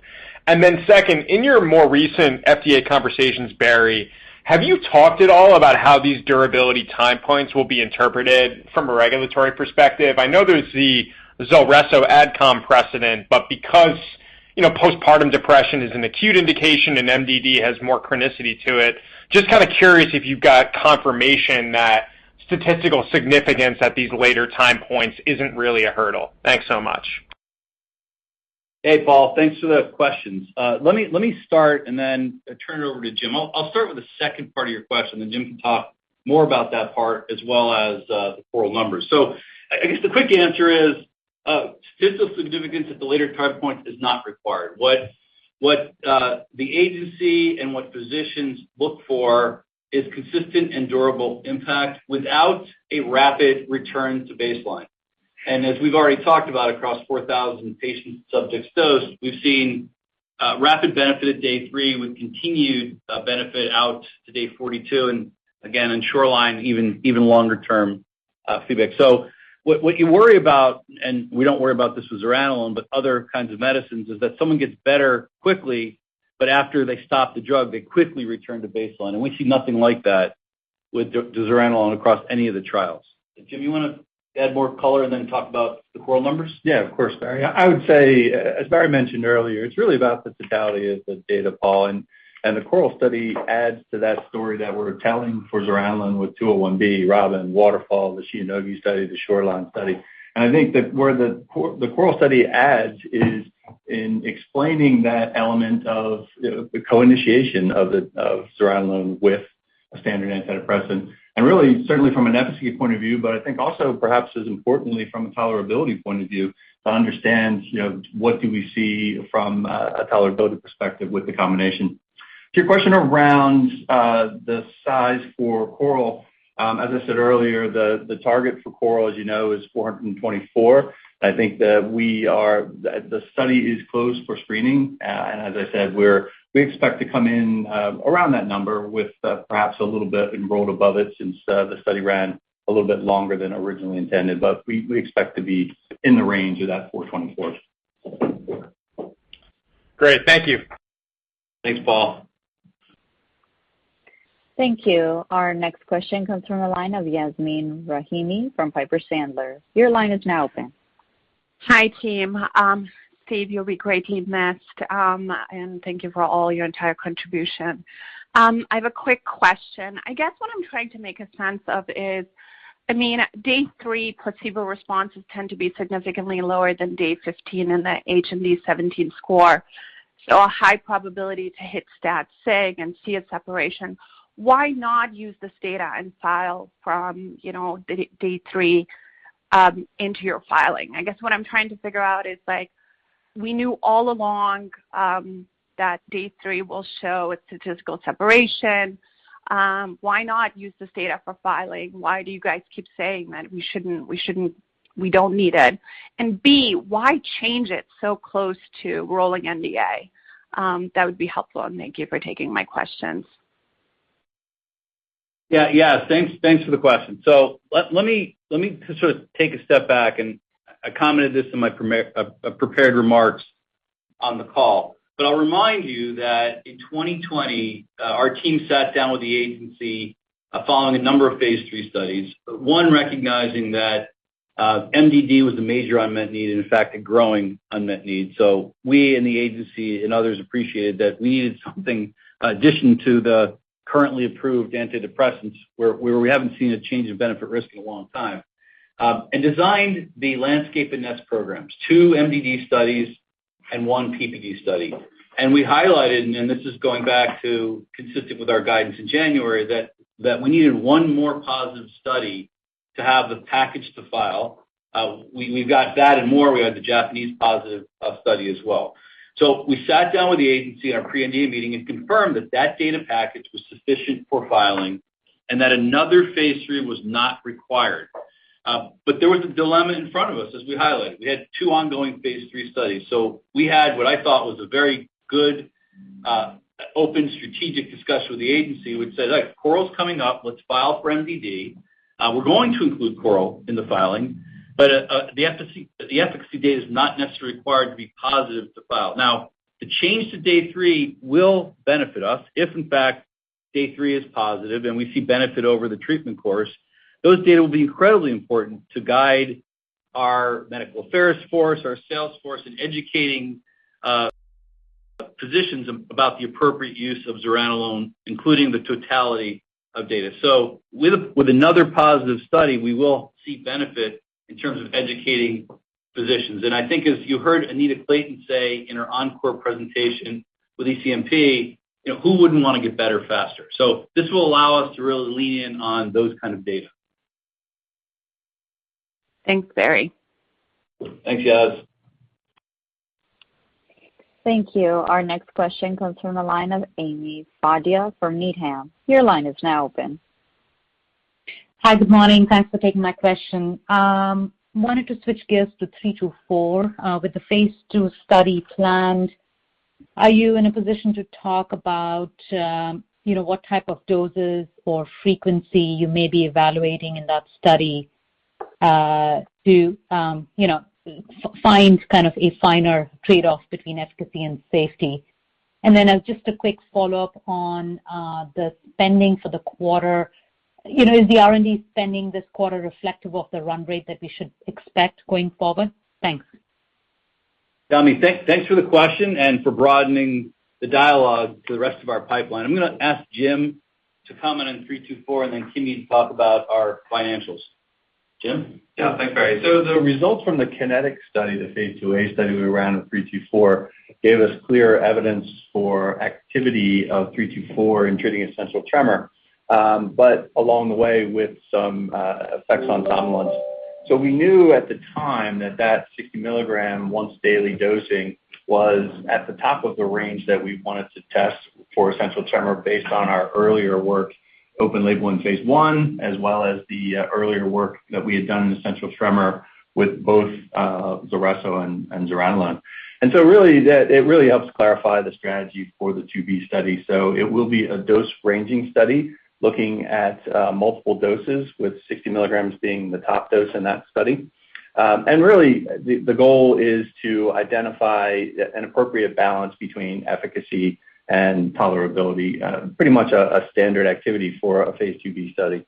Speaker 9: Second, in your more recent FDA conversations, Barry, have you talked at all about how these durability time points will be interpreted from a regulatory perspective? I know there's the Zulresso AdCom precedent, but because, you know, postpartum depression is an acute indication and MDD has more chronicity to it, just kind of curious if you've got confirmation that statistical significance at these later time points isn't really a hurdle? Thanks so much.
Speaker 3: Hey, Paul. Thanks for the questions. Let me start and then turn it over to Jim. I'll start with the second part of your question, then Jim can talk more about that part as well as the CORAL numbers. I guess the quick answer is statistical significance at the later time point is not required. The agency and what physicians look for is consistent and durable impact without a rapid return to baseline. As we've already talked about across 4,000 patient subjects dosed, we've seen rapid benefit at Day three with continued benefit out to Day 42, and again, in SHORELINE, even longer term feedback. What you worry about, and we don't worry about this with zuranolone, but other kinds of medicines, is that someone gets better quickly, but after they stop the drug, they quickly return to baseline. We see nothing like that with the zuranolone across any of the trials. Jim, you wanna add more color and then talk about the CORAL numbers?
Speaker 5: Yeah, of course, Barry. I would say, as Barry mentioned earlier, it's really about the totality of the data, Paul. The CORAL study adds to that story that we're telling for zuranolone with 201B, ROBIN, WATERFALL, the Shionogi study, the SHORELINE study. I think that where the CORAL study adds is in explaining that element of, you know, the co-initiation of zuranolone with a standard antidepressant. Really, certainly from an efficacy point of view, but I think also perhaps as importantly from a tolerability point of view, to understand, you know, what do we see from a tolerability perspective with the combination. To your question around the size for CORAL, as I said earlier, the target for CORAL, as you know, is 424. I think that we are... The study is closed for screening. As I said, we expect to come in around that number with perhaps a little bit enrolled above it since the study ran a little bit longer than originally intended. We expect to be in the range of that 424.
Speaker 9: Great. Thank you.
Speaker 3: Thanks, Paul.
Speaker 1: Thank you. Our next question comes from the line of Yasmeen Rahimi from Piper Sandler. Your line is now open.
Speaker 10: Hi, team. Steve, you'll be greatly missed, and thank you for all your entire contribution. I have a quick question. I guess what I'm trying to make a sense of is, I mean, Day three placebo responses tend to be significantly lower than Day 15 in the HAM-D17 score. A high probability to hit stat sig and see a separation. Why not use this data and file from day three into your filing? I guess what I'm trying to figure out is, like, we knew all along that day three will show a statistical separation. Why not use this data for filing? Why do you guys keep saying that we shouldn't, we don't need it? B, why change it so close to rolling NDA? That would be helpful. Thank you for taking my questions.
Speaker 3: Yeah. Thanks for the question. Let me just sort of take a step back, and I commented this in my prepared remarks on the call. I'll remind you that in 2020, our team sat down with the agency following a number of phase III studies, one, recognizing that MDD was a major unmet need, and in fact, a growing unmet need. We and the agency and others appreciated that we needed something in addition to the currently approved antidepressants where we haven't seen a change in benefit-risk in a long time, and designed the LANDSCAPE and NEST programs, two MDD studies and one PPD study. We highlighted, and this is going back to consistent with our guidance in January, that we needed one more positive study to have the package to file. We've got that and more. We had the Japanese positive study as well. We sat down with the agency in our pre-NDA meeting and confirmed that that data package was sufficient for filing and that another phase III was not required. There was a dilemma in front of us, as we highlighted. We had two ongoing phase III studies. We had what I thought was a very good open strategic discussion with the agency, which said, "Look, CORAL's coming up. Let's file for MDD. We're going to include CORAL in the filing, but the efficacy data is not necessarily required to be positive to file." The change to day three will benefit us if in fact day three is positive and we see benefit over the treatment course. Those data will be incredibly important to guide our medical affairs force, our sales force in educating physicians about the appropriate use of zuranolone, including the totality of data. With another positive study, we will see benefit in terms of educating physicians. I think as you heard Anita Clayton say in her ENCORE presentation with ECNP, you know, who wouldn't want to get better faster? This will allow us to really lean in on those kind of data.
Speaker 10: Thanks, Barry.
Speaker 3: Thanks, Yas.
Speaker 1: Thank you. Our next question comes from the line of Ami Fadia from Needham. Your line is now open.
Speaker 11: Hi. Good morning. Thanks for taking my question. Wanted to switch gears to 324. With the phase II study planned, are you in a position to talk about, you know, what type of doses or frequency you may be evaluating in that study, to, you know, find kind of a finer trade-off between efficacy and safety? Then, just a quick follow-up on the spending for the quarter. You know, is the R&D spending this quarter reflective of the run rate that we should expect going forward? Thanks.
Speaker 3: Amy, thanks for the question and for broadening the dialogue to the rest of our pipeline. I'm gonna ask Jim to comment on SAGE-324, and then Kimi to talk about our financials. Jim?
Speaker 5: Yeah. Thanks, Barry. The results from the KINETIC study, the phase IIa study we ran with 324, gave us clear evidence for activity of 324 in treating essential tremor, but along the way with some effects on somnolence. We knew at the time that 60 mg once daily dosing was at the top of the range that we wanted to test for essential tremor based on our earlier work, open-label and phase I, as well as the earlier work that we had done in essential tremor with both Zulresso and zuranolone. It really helps clarify the strategy for the IIb study. It will be a dose-ranging study looking at multiple doses with 60 mg being the top dose in that study. Really, the goal is to identify an appropriate balance between efficacy and tolerability, pretty much a standard activity for a phase IIb study.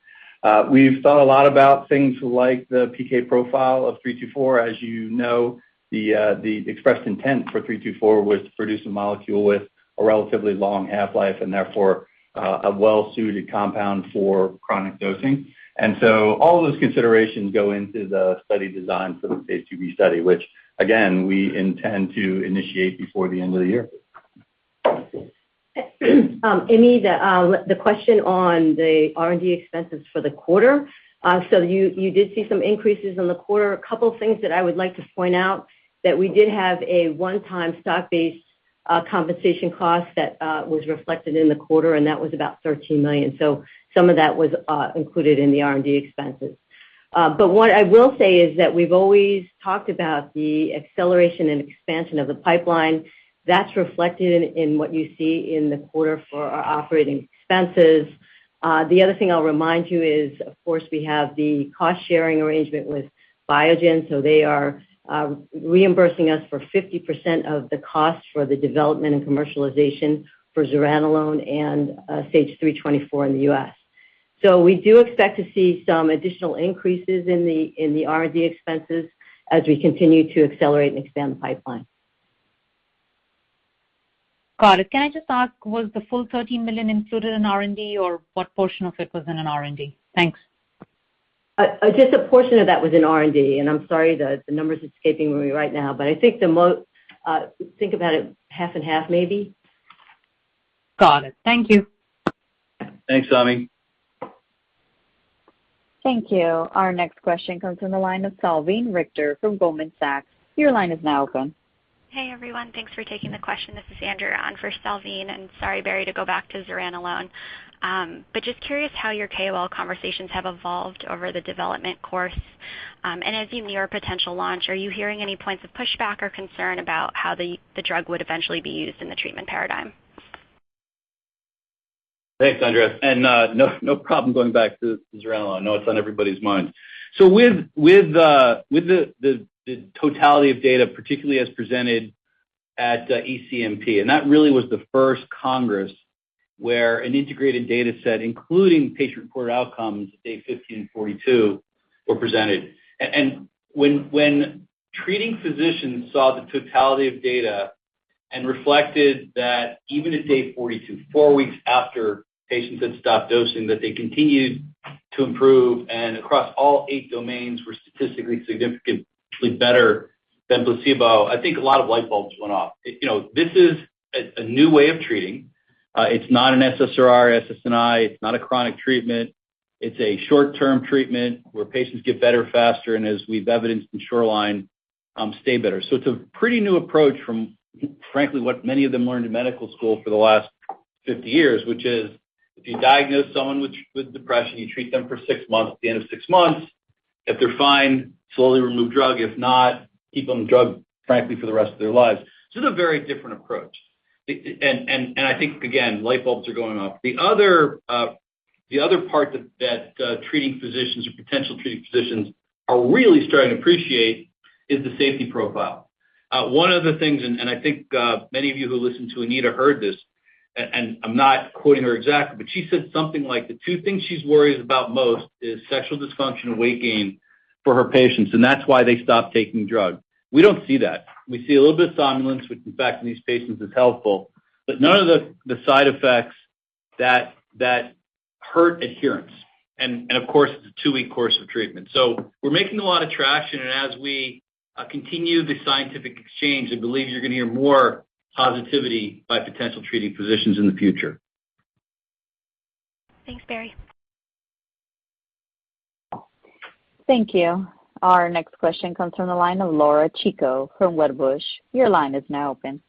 Speaker 5: We've thought a lot about things like the PK profile of 324. As you know, the expressed intent for 324 was to produce a molecule with a relatively long half-life and therefore, a well-suited compound for chronic dosing. All of those considerations go into the study design for the phase IIb study, which again, we intend to initiate before the end of the year.
Speaker 6: Ami, the question on the R&D expenses for the quarter, you did see some increases in the quarter. A couple things that I would like to point out that we did have a one-time stock-based compensation cost that was reflected in the quarter, and that was about $13 million. Some of that was included in the R&D expenses. What I will say is that we've always talked about the acceleration and expansion of the pipeline. That's reflected in what you see in the quarter for our operating expenses. The other thing I'll remind you is, of course, we have the cost-sharing arrangement with Biogen, so they are reimbursing us for 50% of the cost for the development and commercialization for zuranolone and SAGE-324 in the U.S. We do expect to see some additional increases in the R&D expenses as we continue to accelerate and expand the pipeline.
Speaker 11: Got it. Can I just ask, was the full $13 million included in R&D, or what portion of it was in R&D? Thanks.
Speaker 6: Just a portion of that was in R&D, and I'm sorry the number's escaping me right now, but I think about it half and half maybe.
Speaker 11: Got it. Thank you.
Speaker 3: Thanks, Sami.
Speaker 1: Thank you. Our next question comes from the line of Salveen Richter from Goldman Sachs. Your line is now open.
Speaker 12: Hey, everyone. Thanks for taking the question. This is Andrea on for Salveen. Sorry, Barry, to go back to zuranolone. Just curious how your KOL conversations have evolved over the development course. As you near potential launch, are you hearing any points of pushback or concern about how the drug would eventually be used in the treatment paradigm?
Speaker 3: Thanks, Andrea, and no problem going back to zuranolone. I know it's on everybody's mind. With the totality of data, particularly as presented at ECNP, and that really was the first congress where an integrated data set, including patient-reported outcomes at day 15 and 42 were presented. When treating physicians saw the totality of data and reflected that even at day 42, four weeks after patients had stopped dosing, that they continued to improve and across all eight domains were statistically significantly better than placebo, I think a lot of light bulbs went off. You know, this is a new way of treating. It's not an SSRI or SNRI. It's not a chronic treatment. It's a short-term treatment where patients get better faster, and as we've evidenced in Shoreline, stay better. It's a pretty new approach from, frankly, what many of them learned in medical school for the last 50 years, which is if you diagnose someone with depression, you treat them for six months. At the end of six months, if they're fine, slowly remove drug. If not, keep them drugged, frankly, for the rest of their lives. This is a very different approach. I think, again, light bulbs are going off. The other part that treating physicians or potential treating physicians are really starting to appreciate is the safety profile. One of the things, and I think many of you who listened to Anita heard this, and I'm not quoting her exactly, but she said something like the two things she's worries about most is sexual dysfunction and weight gain for her patients, and that's why they stop taking the drug. We don't see that. We see a little bit of somnolence, which in fact in these patients is helpful, but none of the side effects that hurt adherence. Of course, it's a two-week course of treatment. We're making a lot of traction. As we continue the scientific exchange, I believe you're gonna hear more positivity by potential treating physicians in the future.
Speaker 12: Thanks, Barry.
Speaker 1: Thank you. Our next question comes from the line of Laura Chico from Wedbush. Your line is now open.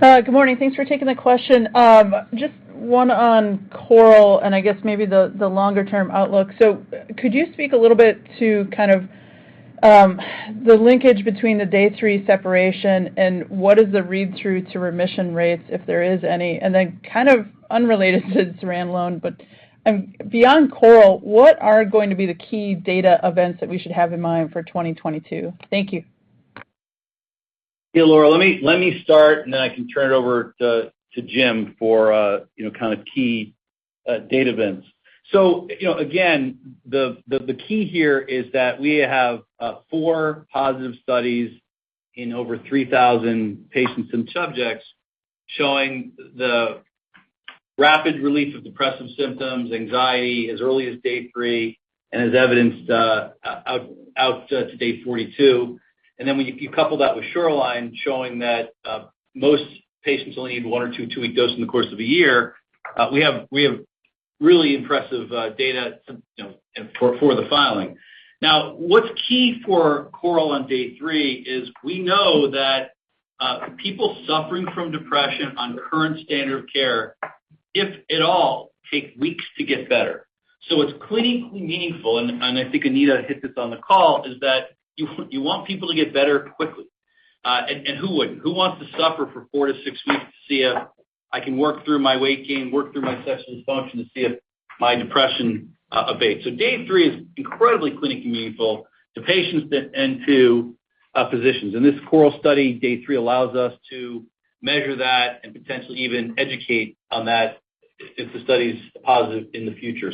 Speaker 13: Good morning. Thanks for taking the question. Just one on CORAL and I guess maybe the longer term outlook. Could you speak a little bit to kind of the linkage between the day three separation and what is the read-through to remission rates, if there is any? Then kind of unrelated to zuranolone, but beyond CORAL, what are going to be the key data events that we should have in mind for 2022? Thank you.
Speaker 3: Yeah, Laura, let me start and then I can turn it over to Jim for you know, kind of key data events. You know, again, the key here is that we have four positive studies in over 3,000 patients and subjects showing the rapid relief of depressive symptoms, anxiety as early as day three and as evidenced out to day 42. When you couple that with SHORELINE showing that most patients only need one or two, two-week dose in the course of a year, we have really impressive data, you know, for the filing. Now, what's key for CORAL on day three is we know that people suffering from depression on current standard of care, if at all, take weeks to get better. What's clinically meaningful, and I think Anita hit this on the call, is that you want people to get better quickly. Who wouldn't? Who wants to suffer for four-six weeks to see if I can work through my weight gain, work through my sexual dysfunction to see if my depression abates? Day three is incredibly clinically meaningful to patients and to physicians. This CORAL study, day three, allows us to measure that and potentially even educate on that if the study's positive in the future.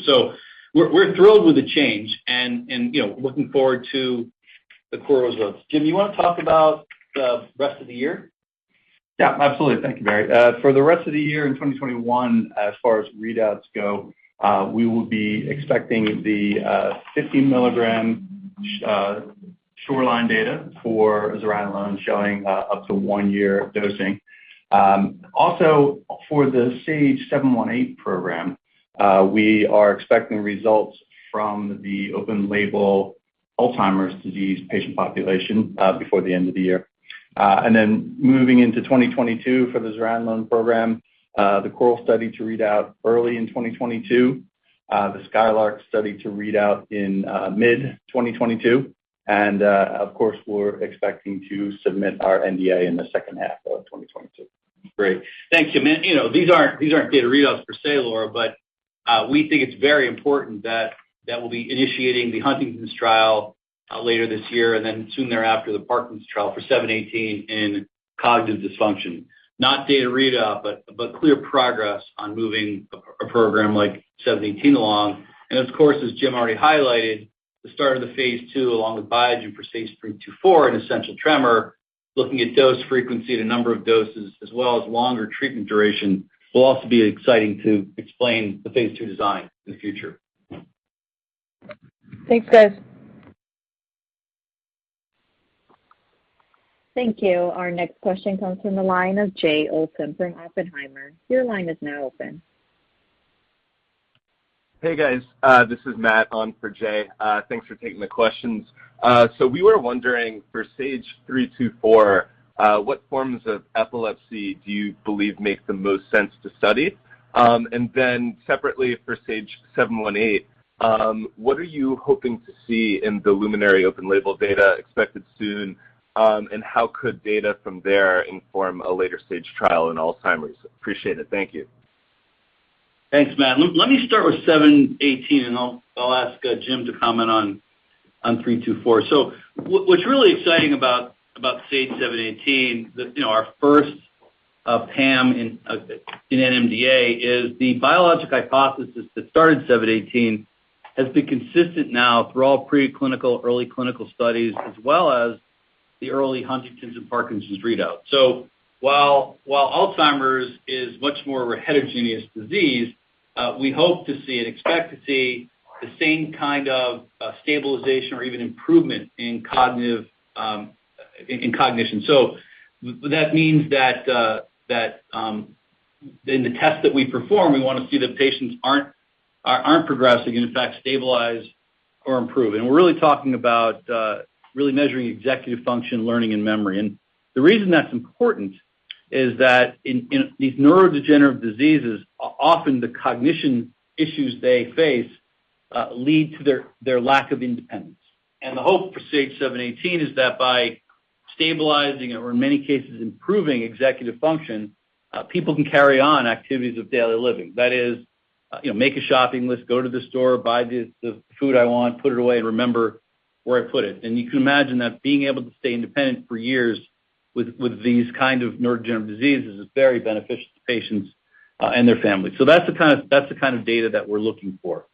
Speaker 3: We're thrilled with the change and, you know, looking forward to the CORAL results. Jim, you wanna talk about the rest of the year?
Speaker 5: Yeah. Absolutely. Thank you, Barry. For the rest of the year in 2021, as far as readouts go, we will be expecting the 50-milligram SHORELINE data for zuranolone showing up to one year of dosing. Also for the SAGE-718 program, we are expecting results from the open-label Alzheimer's disease patient population before the end of the year. Moving into 2022 for the zuranolone program, the CORAL study to read out early in 2022, the SKYLARK study to read out in mid-2022. Of course, we're expecting to submit our NDA in the second half of 2022.
Speaker 3: Great. Thank you. Man, you know, these aren't data readouts per se, Laura, but we think it's very important that we'll be initiating the Huntington's trial later this year and then soon thereafter the Parkinson's trial for SAGE-718 in cognitive dysfunction. Not a data readout, but clear progress on moving a program like SAGE-718 along. Of course, as Jim already highlighted, the start of the phase II along with Biogen for SAGE-324 in essential tremor. Looking at dose frequency, the number of doses as well as longer treatment duration will also be exciting to explain the phase II design in the future.
Speaker 13: Thanks, guys.
Speaker 1: Thank you. Our next question comes from the line of Jay Olson from Oppenheimer. Your line is now open.
Speaker 14: Hey, guys. This is Matt on for Jay. Thanks for taking the questions. We were wondering for SAGE-324, what forms of epilepsy do you believe make the most sense to study? Separately for SAGE-718, what are you hoping to see in the LUMINARY open-label data expected soon? How could data from there inform a later stage trial in Alzheimer's? Appreciate it. Thank you.
Speaker 3: Thanks, Matt. Let me start with SAGE-718, and I'll ask Jim to comment on SAGE-324. What's really exciting about SAGE-718 that you know our first PAM in NMDA is the biologic hypothesis that started SAGE-718 has been consistent now through all preclinical, early clinical studies, as well as the early Huntington's and Parkinson's readout. While Alzheimer's is much more of a heterogeneous disease, we hope to see and expect to see the same kind of stabilization or even improvement in cognitive cognition. That means that in the test that we perform, we wanna see that patients aren't progressing and in fact stabilize or improve. We're really talking about really measuring executive function, learning and memory. The reason that's important is that in these neurodegenerative diseases, often the cognition issues they face lead to their lack of independence. The hope for SAGE-718 is that by stabilizing or in many cases improving executive function, people can carry on activities of daily living. That is, you know, make a shopping list, go to the store, buy the food I want, put it away and remember where I put it. You can imagine that being able to stay independent for years with these kind of neurodegenerative diseases is very beneficial to patients and their families. That's the kind of data that we're looking for.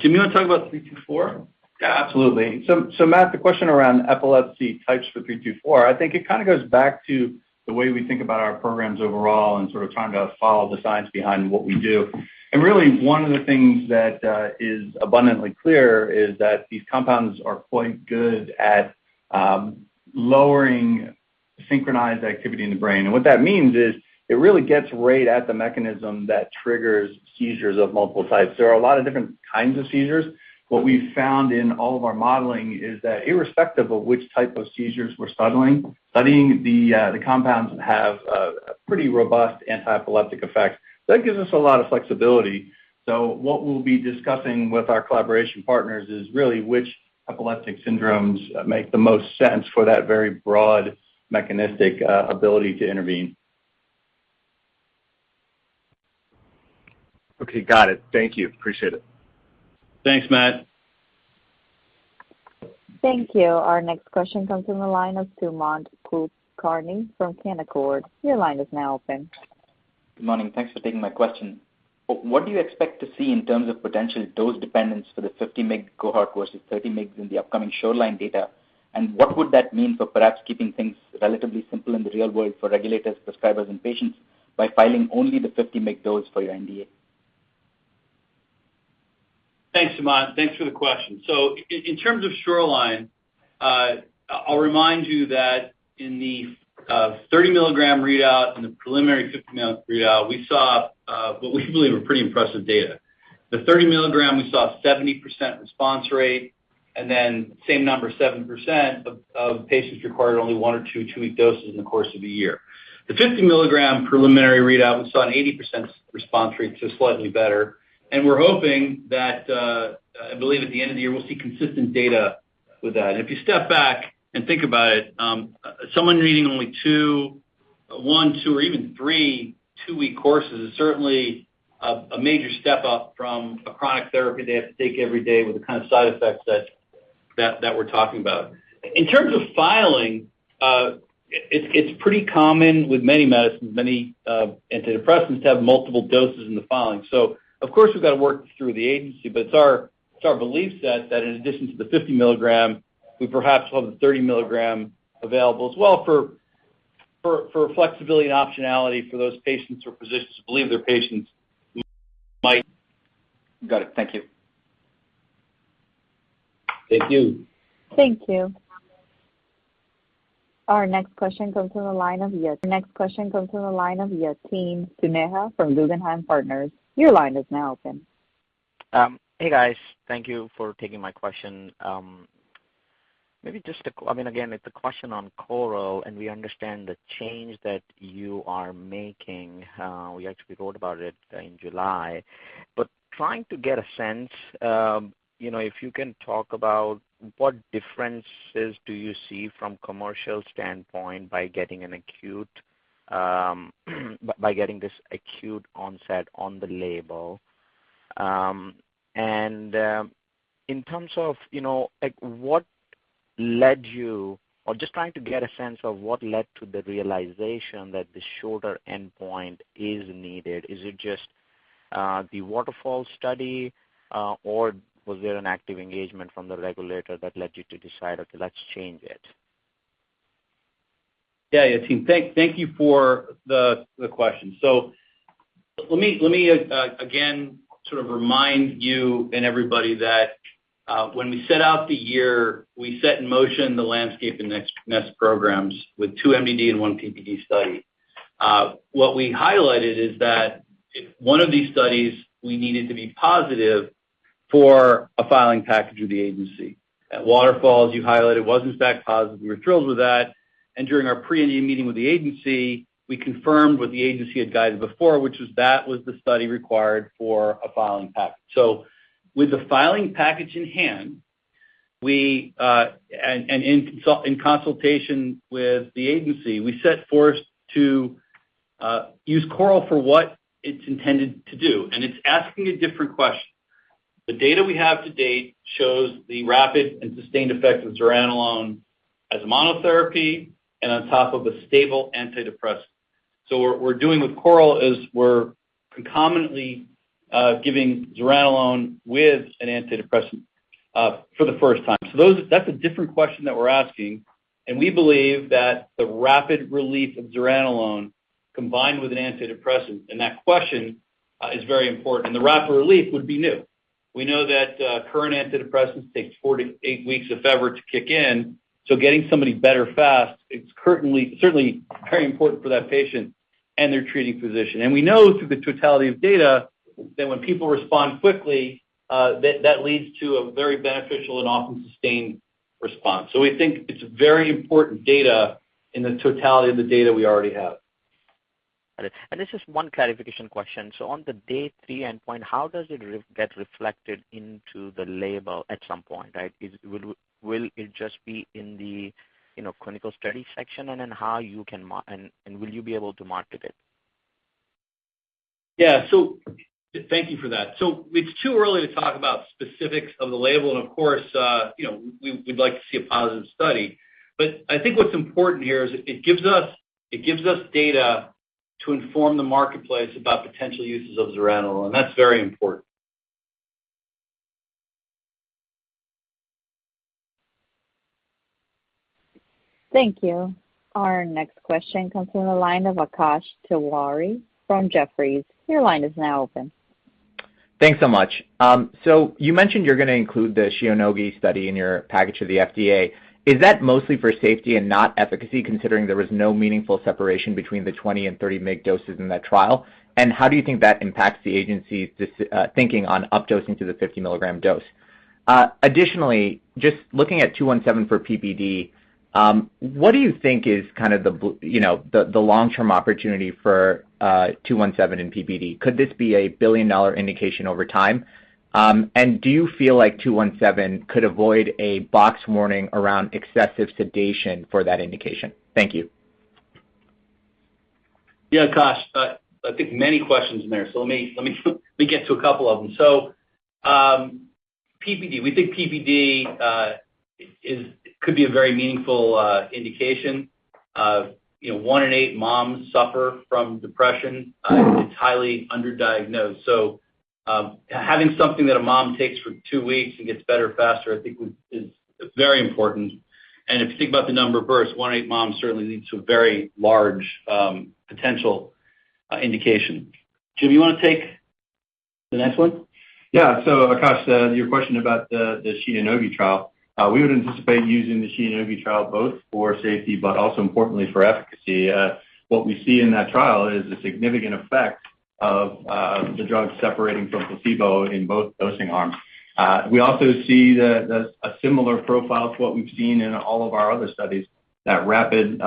Speaker 3: Jim, you wanna talk about SAGE-324?
Speaker 5: Yeah, absolutely. Matt, the question around epilepsy types for 324, I think it kinda goes back to the way we think about our programs overall and sort of trying to follow the science behind what we do. Really one of the things that is abundantly clear is that these compounds are quite good at lowering synchronized activity in the brain. What that means is it really gets right at the mechanism that triggers seizures of multiple types. There are a lot of different kinds of seizures. What we've found in all of our modeling is that irrespective of which type of seizures we're studying, the compounds have a pretty robust anti-epileptic effect. That gives us a lot of flexibility. What we'll be discussing with our collaboration partners is really which epileptic syndromes make the most sense for that very broad mechanistic ability to intervene.
Speaker 14: Okay, got it. Thank you. Appreciate it.
Speaker 3: Thanks, Matt.
Speaker 1: Thank you. Our next question comes from the line of Sumant Kulkarni from Canaccord. Your line is now open.
Speaker 15: Good morning. Thanks for taking my question. What do you expect to see in terms of potential dose dependence for the 50 mg cohort versus 30 mgs in the upcoming Shoreline data? What would that mean for perhaps keeping things relatively simple in the real world for regulators, prescribers, and patients by filing only the 50 mg dose for your NDA?
Speaker 3: Thanks, Sumant. Thanks for the question. In terms of Shoreline, I'll remind you that in the 30 milligram readout and the preliminary 50 milligram readout, we saw what we believe were pretty impressive data. The 30 milligram, we saw 70% response rate, and then same number, 7% of patients required only one or two, two-week doses in the course of a year. The 50 milligram preliminary readout, we saw an 80% response rate, just slightly better. We're hoping that I believe at the end of the year, we'll see consistent data with that. If you step back and think about it, someone needing only one, two or even three two-week courses is certainly a major step up from a chronic therapy they have to take every day with the kind of side effects that we're talking about. In terms of filing, it's pretty common with many medicines, many antidepressants to have multiple doses in the filing. Of course, we've got to work through the agency, but it's our belief set that in addition to the 50 milligram, we perhaps will have the 30 milligram available as well for flexibility and optionality for those patients or physicians who believe their patients might-
Speaker 15: Got it. Thank you.
Speaker 3: Thank you.
Speaker 1: Thank you. Our next question comes from the line of Yatin Suneja from Guggenheim Partners. Your line is now open.
Speaker 16: Hey, guys. Thank you for taking my question. I mean, again, it's a question on CORAL, and we understand the change that you are making. We actually wrote about it in July. Trying to get a sense, you know, if you can talk about what differences do you see from commercial standpoint by getting this acute onset on the label. And, in terms of, you know, like what led you or just trying to get a sense of what led to the realization that the shorter endpoint is needed. Is it just The Waterfall study, or was there an active engagement from the regulator that led you to decide, okay, let's change it?
Speaker 3: Yeah, yeah. Team, thank you for the question. Let me again sort of remind you and everybody that when we set out the year, we set in motion the LANDSCAPE and NEST programs with two MDD and one PPD study. What we highlighted is that if one of these studies we needed to be positive for a filing package of the agency. At WATERFALL, you highlighted was in fact positive. We were thrilled with that. During our pre-meeting with the agency, we confirmed what the agency had guided before, which was that that was the study required for a filing package. With the filing package in hand, we and in consultation with the agency, we set forth to use CORAL for what it's intended to do, and it's asking a different question. The data we have to date shows the rapid and sustained effect of zuranolone as a monotherapy and on top of a stable antidepressant. What we're doing with CORAL is we're concomitantly giving zuranolone with an antidepressant for the first time. That's a different question that we're asking, and we believe that the rapid relief of zuranolone combined with an antidepressant, and that question, is very important. The rapid relief would be new. We know that current antidepressants takes four-eight weeks, if ever, to kick in. Getting somebody better fast, it's certainly very important for that patient and their treating physician. We know through the totality of data that when people respond quickly, that leads to a very beneficial and often sustained response. We think it's very important data in the totality of the data we already have.
Speaker 16: Got it. This is one clarification question. On the day three endpoint, how does it get reflected into the label at some point, right? Will it just be in the, you know, clinical study section? How you can market it? Will you be able to market it?
Speaker 3: Yeah, thank you for that. It's too early to talk about specifics of the label. Of course, you know, we'd like to see a positive study. I think what's important here is it gives us data to inform the marketplace about potential uses of zuranolone, and that's very important.
Speaker 1: Thank you. Our next question comes from the line of Akash Tewari from Jefferies. Your line is now open.
Speaker 17: Thanks so much. So you mentioned you're gonna include the Shionogi study in your package to the FDA. Is that mostly for safety and not efficacy, considering there was no meaningful separation between the 20 and 30 mg doses in that trial? And how do you think that impacts the agency's thinking on updosing to the 50 mg dose? Additionally, just looking at 217 for PPD, what do you think is kind of you know, the long-term opportunity for 217 in PPD? Could this be a billion-dollar indication over time? And do you feel like 217 could avoid a box warning around excessive sedation for that indication? Thank you.
Speaker 3: Yeah, Akash, I think many questions in there. Let me get to a couple of them. PPD. We think PPD could be a very meaningful indication. You know, one in eight moms suffer from depression. It's highly underdiagnosed. Having something that a mom takes for two weeks and gets better faster, I think would be very important. If you think about the number of births, one in eight moms certainly leads to a very large potential indication. Jim, you wanna take the next one?
Speaker 5: Yeah. Akash, your question about the Shionogi trial. We would anticipate using the Shionogi trial both for safety but also importantly for efficacy. What we see in that trial is a significant effect of the drug separating from placebo in both dosing arms. We also see a similar profile to what we've seen in all of our other studies, that rapid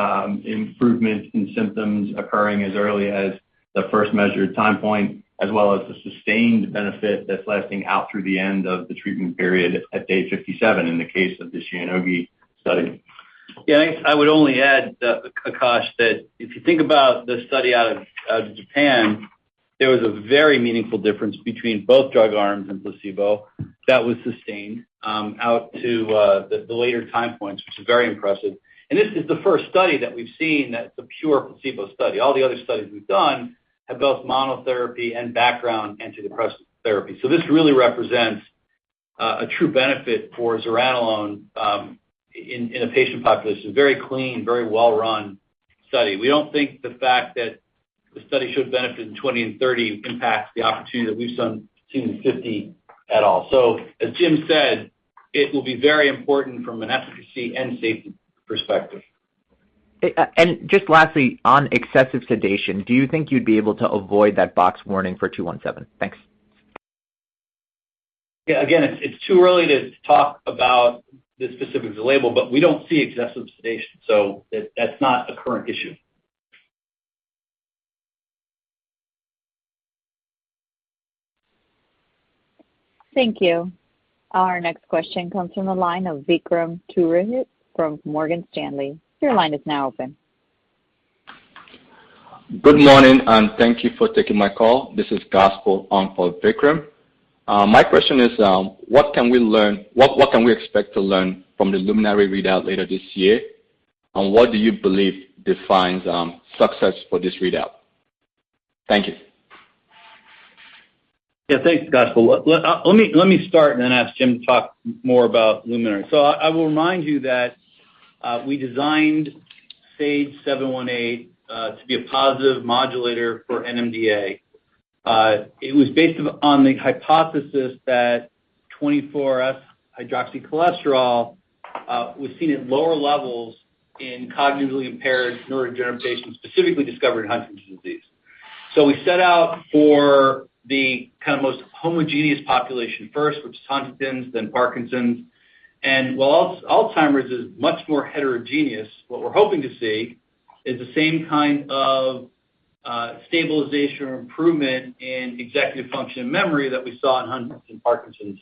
Speaker 5: improvement in symptoms occurring as early as the first measured time point, as well as the sustained benefit that's lasting out through the end of the treatment period at day 57 in the case of the Shionogi study.
Speaker 3: Yeah. I would only add, Akash, that if you think about the study out of Japan, there was a very meaningful difference between both drug arms and placebo that was sustained out to the later time points, which is very impressive. This is the first study that we've seen that's a pure placebo study. All the other studies we've done have both monotherapy and background antidepressant therapy. This really represents a true benefit for zuranolone in a patient population. Very clean, very well-run study. We don't think the fact that the study showed benefit in 20 and 30 impacts the opportunity that we've seen in 50 at all. As Jim said, it will be very important from an efficacy and safety perspective.
Speaker 17: Just lastly, on excessive sedation, do you think you'd be able to avoid that box warning for 217? Thanks.
Speaker 3: Yeah. Again, it's too early to talk about the specifics of the label, but we don't see excessive sedation, so that's not a current issue.
Speaker 1: Thank you. Our next question comes from the line of Vikram Purohit from Morgan Stanley. Your line is now open.
Speaker 18: Good morning, and thank you for taking my call. This is Gospel on for Vikram. My question is, what can we expect to learn from the LUMINARY readout later this year? What do you believe defines success for this readout? Thank you.
Speaker 3: Yeah. Thanks, Gospel. Let me start and then ask Jim to talk more about Luminary. I will remind you that we designed SAGE-718 to be a positive modulator for NMDA. It was based on the hypothesis that 24S-hydroxycholesterol was seen at lower levels in cognitively impaired neurodegenerative patients, specifically discovered in Huntington's disease. We set out for the kind of most homogeneous population first, which is Huntington's, then Parkinson's. While Alzheimer's is much more heterogeneous, what we're hoping to see is the same kind of stabilization or improvement in executive function and memory that we saw in Huntington's and Parkinson's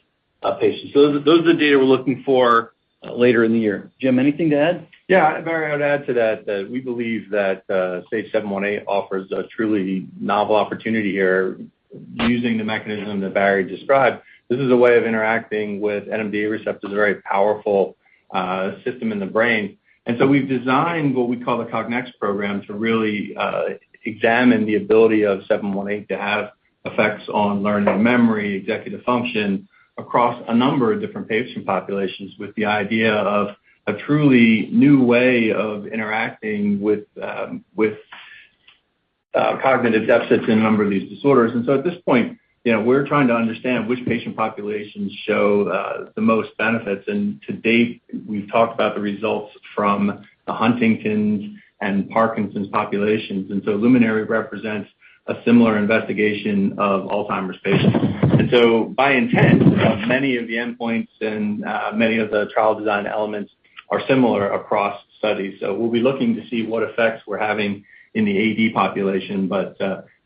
Speaker 3: patients. Those are the data we're looking for later in the year. Jim, anything to add?
Speaker 5: Yeah. Barry, I'd add to that we believe that SAGE-718 offers a truly novel opportunity here using the mechanism that Barry described. This is a way of interacting with NMDA receptors, a very powerful system in the brain. We've designed what we call the Cognito program to really examine the ability of 718 to have effects on learning and memory, executive function, across a number of different patient populations with the idea of a truly new way of interacting with cognitive deficits in a number of these disorders. At this point, you know, we're trying to understand which patient populations show the most benefits. To date, we've talked about the results from the Huntington's and Parkinson's populations. Luminary represents a similar investigation of Alzheimer's patients. By intent, many of the endpoints and many of the trial design elements are similar across studies. We'll be looking to see what effects we're having in the AD population.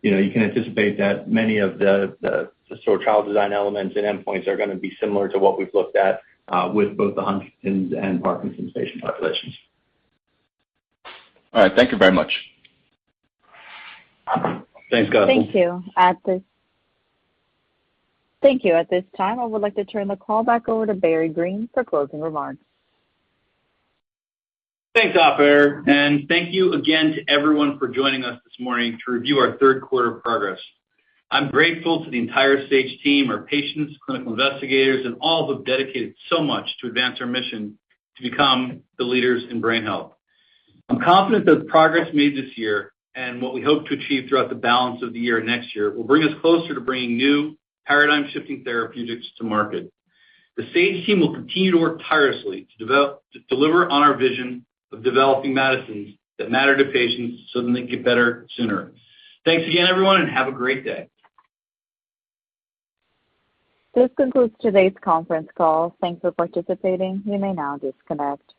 Speaker 5: You know, you can anticipate that many of the sort of trial design elements and endpoints are gonna be similar to what we've looked at with both the Huntington's and Parkinson's patient populations.
Speaker 18: All right. Thank you very much.
Speaker 3: Thanks, Gospel.
Speaker 1: Thank you. At this time, I would like to turn the call back over to Barry Greene for closing remarks.
Speaker 3: Thanks, operator. Thank you again to everyone for joining us this morning to review our third quarter progress. I'm grateful to the entire Sage team, our patients, clinical investigators, and all who've dedicated so much to advance our mission to become the leaders in brain health. I'm confident that the progress made this year and what we hope to achieve throughout the balance of the year next year will bring us closer to bringing new paradigm-shifting therapeutics to market. The Sage team will continue to work tirelessly to deliver on our vision of developing medicines that matter to patients so that they get better sooner. Thanks again, everyone, and have a great day.
Speaker 1: This concludes today's conference call. Thanks for participating. You may now disconnect.